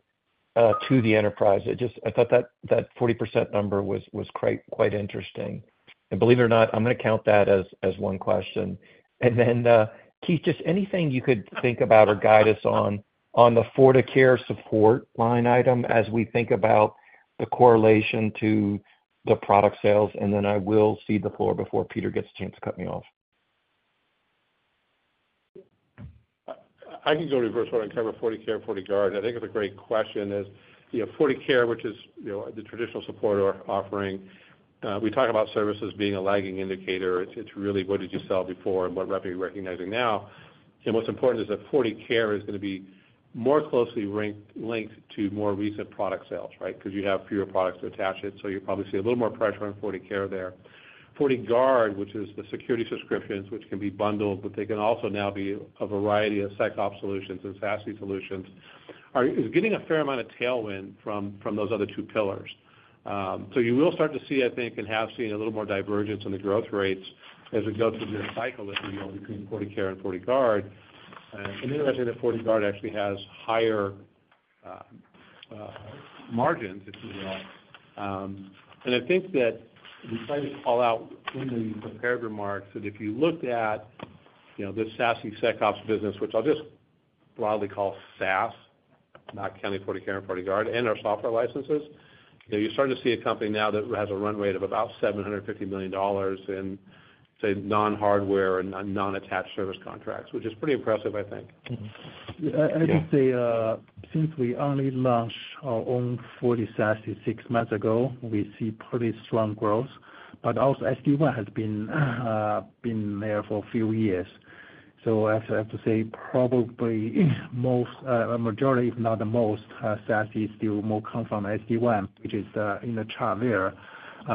to the enterprise? I just thought that 40% number was quite interesting. And believe it or not, I'm gonna count that as one question. And then, Keith, just anything you could think about or guide us on, on the FortiCare support line item as we think about the correlation to the product sales, and then I will cede the floor before Peter gets a chance to cut me off. I can go to the first one and cover FortiCare and FortiGuard. I think it's a great question, you know, FortiCare, which is, you know, the traditional support we're offering. We talk about services being a lagging indicator. It's really what did you sell before and what rep are you recognizing now? And what's important is that FortiCare is gonna be more closely linked to more recent product sales, right? Because you have fewer products to attach it, so you'll probably see a little more pressure on FortiCare there. FortiGuard, which is the security subscriptions, which can be bundled, but they can also now be a variety of SecOps solutions and SASE solutions, is getting a fair amount of tailwind from those other two pillars. So you will start to see, I think, and have seen a little more divergence in the growth rates as we go through this cycle, as we know, between FortiCare and FortiGuard. And interestingly, that FortiGuard actually has higher margins, if you will. And I think that we decided to call out in the prepared remarks that if you looked at, you know, this SASE SecOps business, which I'll just broadly call SaaS, not counting FortiCare and FortiGuard and our software licenses, you know, you're starting to see a company now that has a run rate of about $750 million in, say, non-hardware and non-attached service contracts, which is pretty impressive, I think. Mm-hmm. Yeah, I would say, since we only launched our own FortiSASE six months ago, we see pretty strong growth, but also SD-WAN has been there for a few years. So I have to say, probably most, a majority, if not the most, SASE still more come from SD-WAN, which is in the chart there.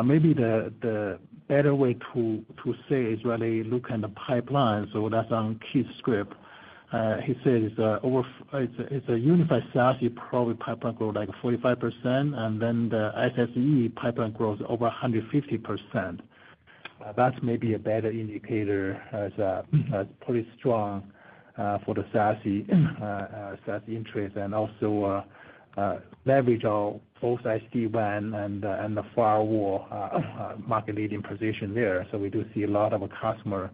Maybe the better way to say is really look in the pipeline, so that's on Keith's script. He says, it's a unified SASE, probably pipeline grow, like, 45%, and then the SSE pipeline grows over 150%. That's maybe a better indicator as a pretty strong-... For the SASE interest and also leverage both our SD-WAN and the firewall market leading position there. So we do see a lot of our customer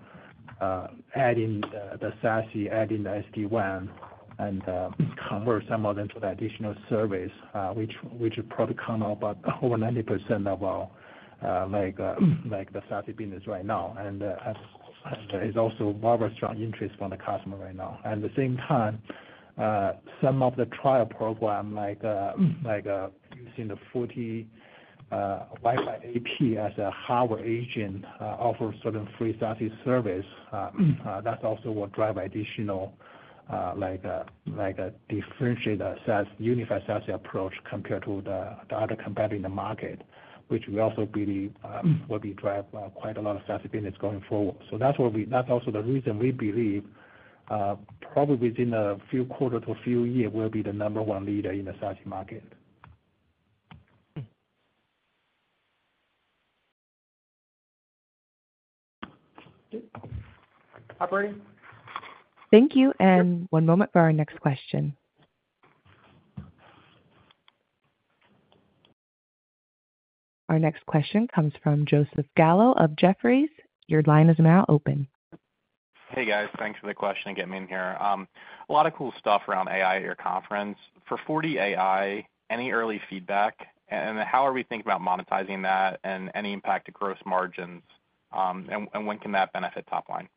adding the SASE, adding the SD-WAN, and convert some of them to the additional services, which probably come up about over 90% of our, like, the SASE business right now. And as there is also very strong interest from the customer right now. At the same time, some of the trial program, like using the FortiWiFi AP as a hardware agent, offers certain free SASE service. That's also what drive additional like a differentiated SaaS unified SASE approach compared to the other competitor in the market, which we also believe will be drive quite a lot of SASE business going forward. So that's where that's also the reason we believe probably within a few quarter to a few year we'll be the number one leader in the SASE market. Operator? Thank you, and one moment for our next question. Our next question comes from Joseph Gallo of Jefferies. Your line is now open. Hey, guys. Thanks for the question and getting me in here. A lot of cool stuff around AI at your conference. For FortiAI, any early feedback? And how are we thinking about monetizing that, and any impact to gross margins, and when can that benefit top line? Thanks.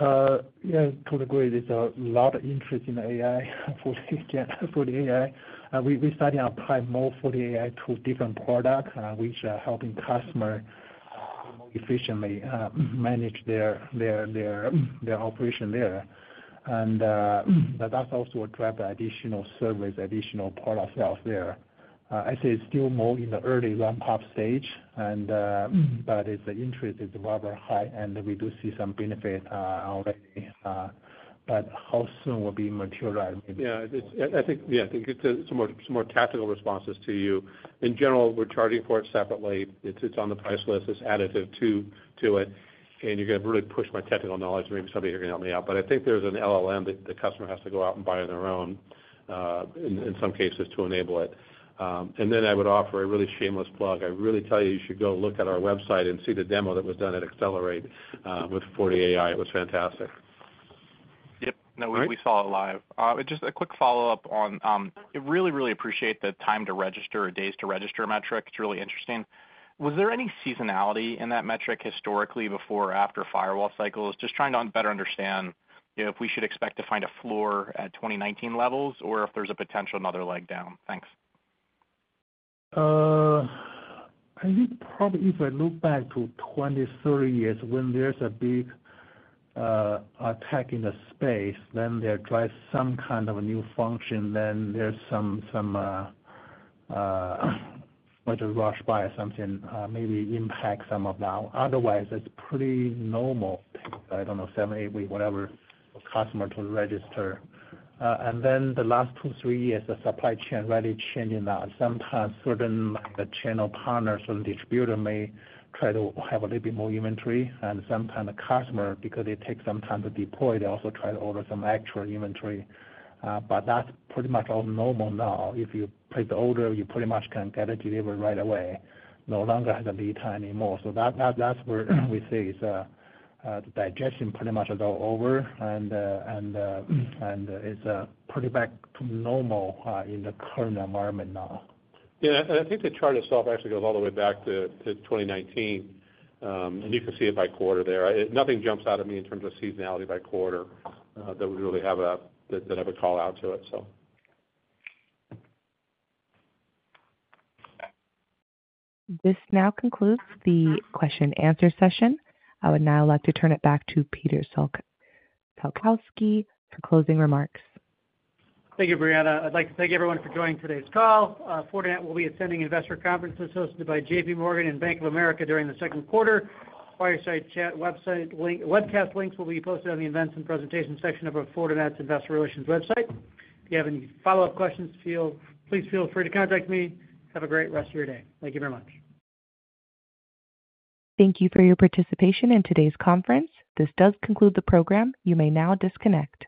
Yeah, totally agree. There's a lot of interest in AI, FortiAI. We've been studying applying more FortiAI to different product, which are helping customer more efficiently, manage their operation there. But that's also what drive additional service, additional product sales there. I'd say it's still more in the early ramp-up stage, but it's the interest is rather high, and we do see some benefit already. But how soon will be materialize, maybe- Yeah, I think it's some more tactical responses to you. In general, we're charging for it separately. It's on the price list. It's additive to it, and you're gonna really push my technical knowledge, and maybe somebody here can help me out. But I think there's an LLM that the customer has to go out and buy on their own, in some cases, to enable it. And then I would offer a really shameless plug. I really tell you, you should go look at our website and see the demo that was done at Accelerate with FortiAI. It was fantastic. Yep. All right. No, we saw it live. Just a quick follow-up on, I really, really appreciate the time to register or days to register metric. It's really interesting. Was there any seasonality in that metric historically, before or after firewall cycles? Just trying to better understand, you know, if we should expect to find a floor at 2019 levels, or if there's a potential another leg down. Thanks. I think probably if I look back to 20-30 years, when there's a big attack in the space, then they drive some kind of a new function. Then there's some like a rush by something, maybe impact some of that. Otherwise, it's pretty normal. I don't know, 7-8 weeks, whatever, for customer to register. And then the last 2-3 years, the supply chain really changing that. Sometimes certain, like, the channel partners or distributor may try to have a little bit more inventory, and sometimes the customer, because it takes some time to deploy, they also try to order some actual inventory. But that's pretty much all normal now. If you place the order, you pretty much can get it delivered right away, no longer has a lead time anymore. So that's where we see it's the digestion pretty much is all over, and it's pretty back to normal in the current environment now. Yeah, and I think the chart itself actually goes all the way back to 2019, and you can see it by quarter there. Nothing jumps out at me in terms of seasonality by quarter that we really have that I would call out to it, so. This now concludes the question and answer session. I would now like to turn it back to Peter Salkowski for closing remarks. Thank you, Brianna. I'd like to thank everyone for joining today's call. Fortinet will be attending investor conferences hosted by JP Morgan and Bank of America during the second quarter. Fireside chat webcast links will be posted on the Events and Presentations section of our Fortinet's Investor Relations website. If you have any follow-up questions, please feel free to contact me. Have a great rest of your day. Thank you very much. Thank you for your participation in today's conference. This does conclude the program. You may now disconnect.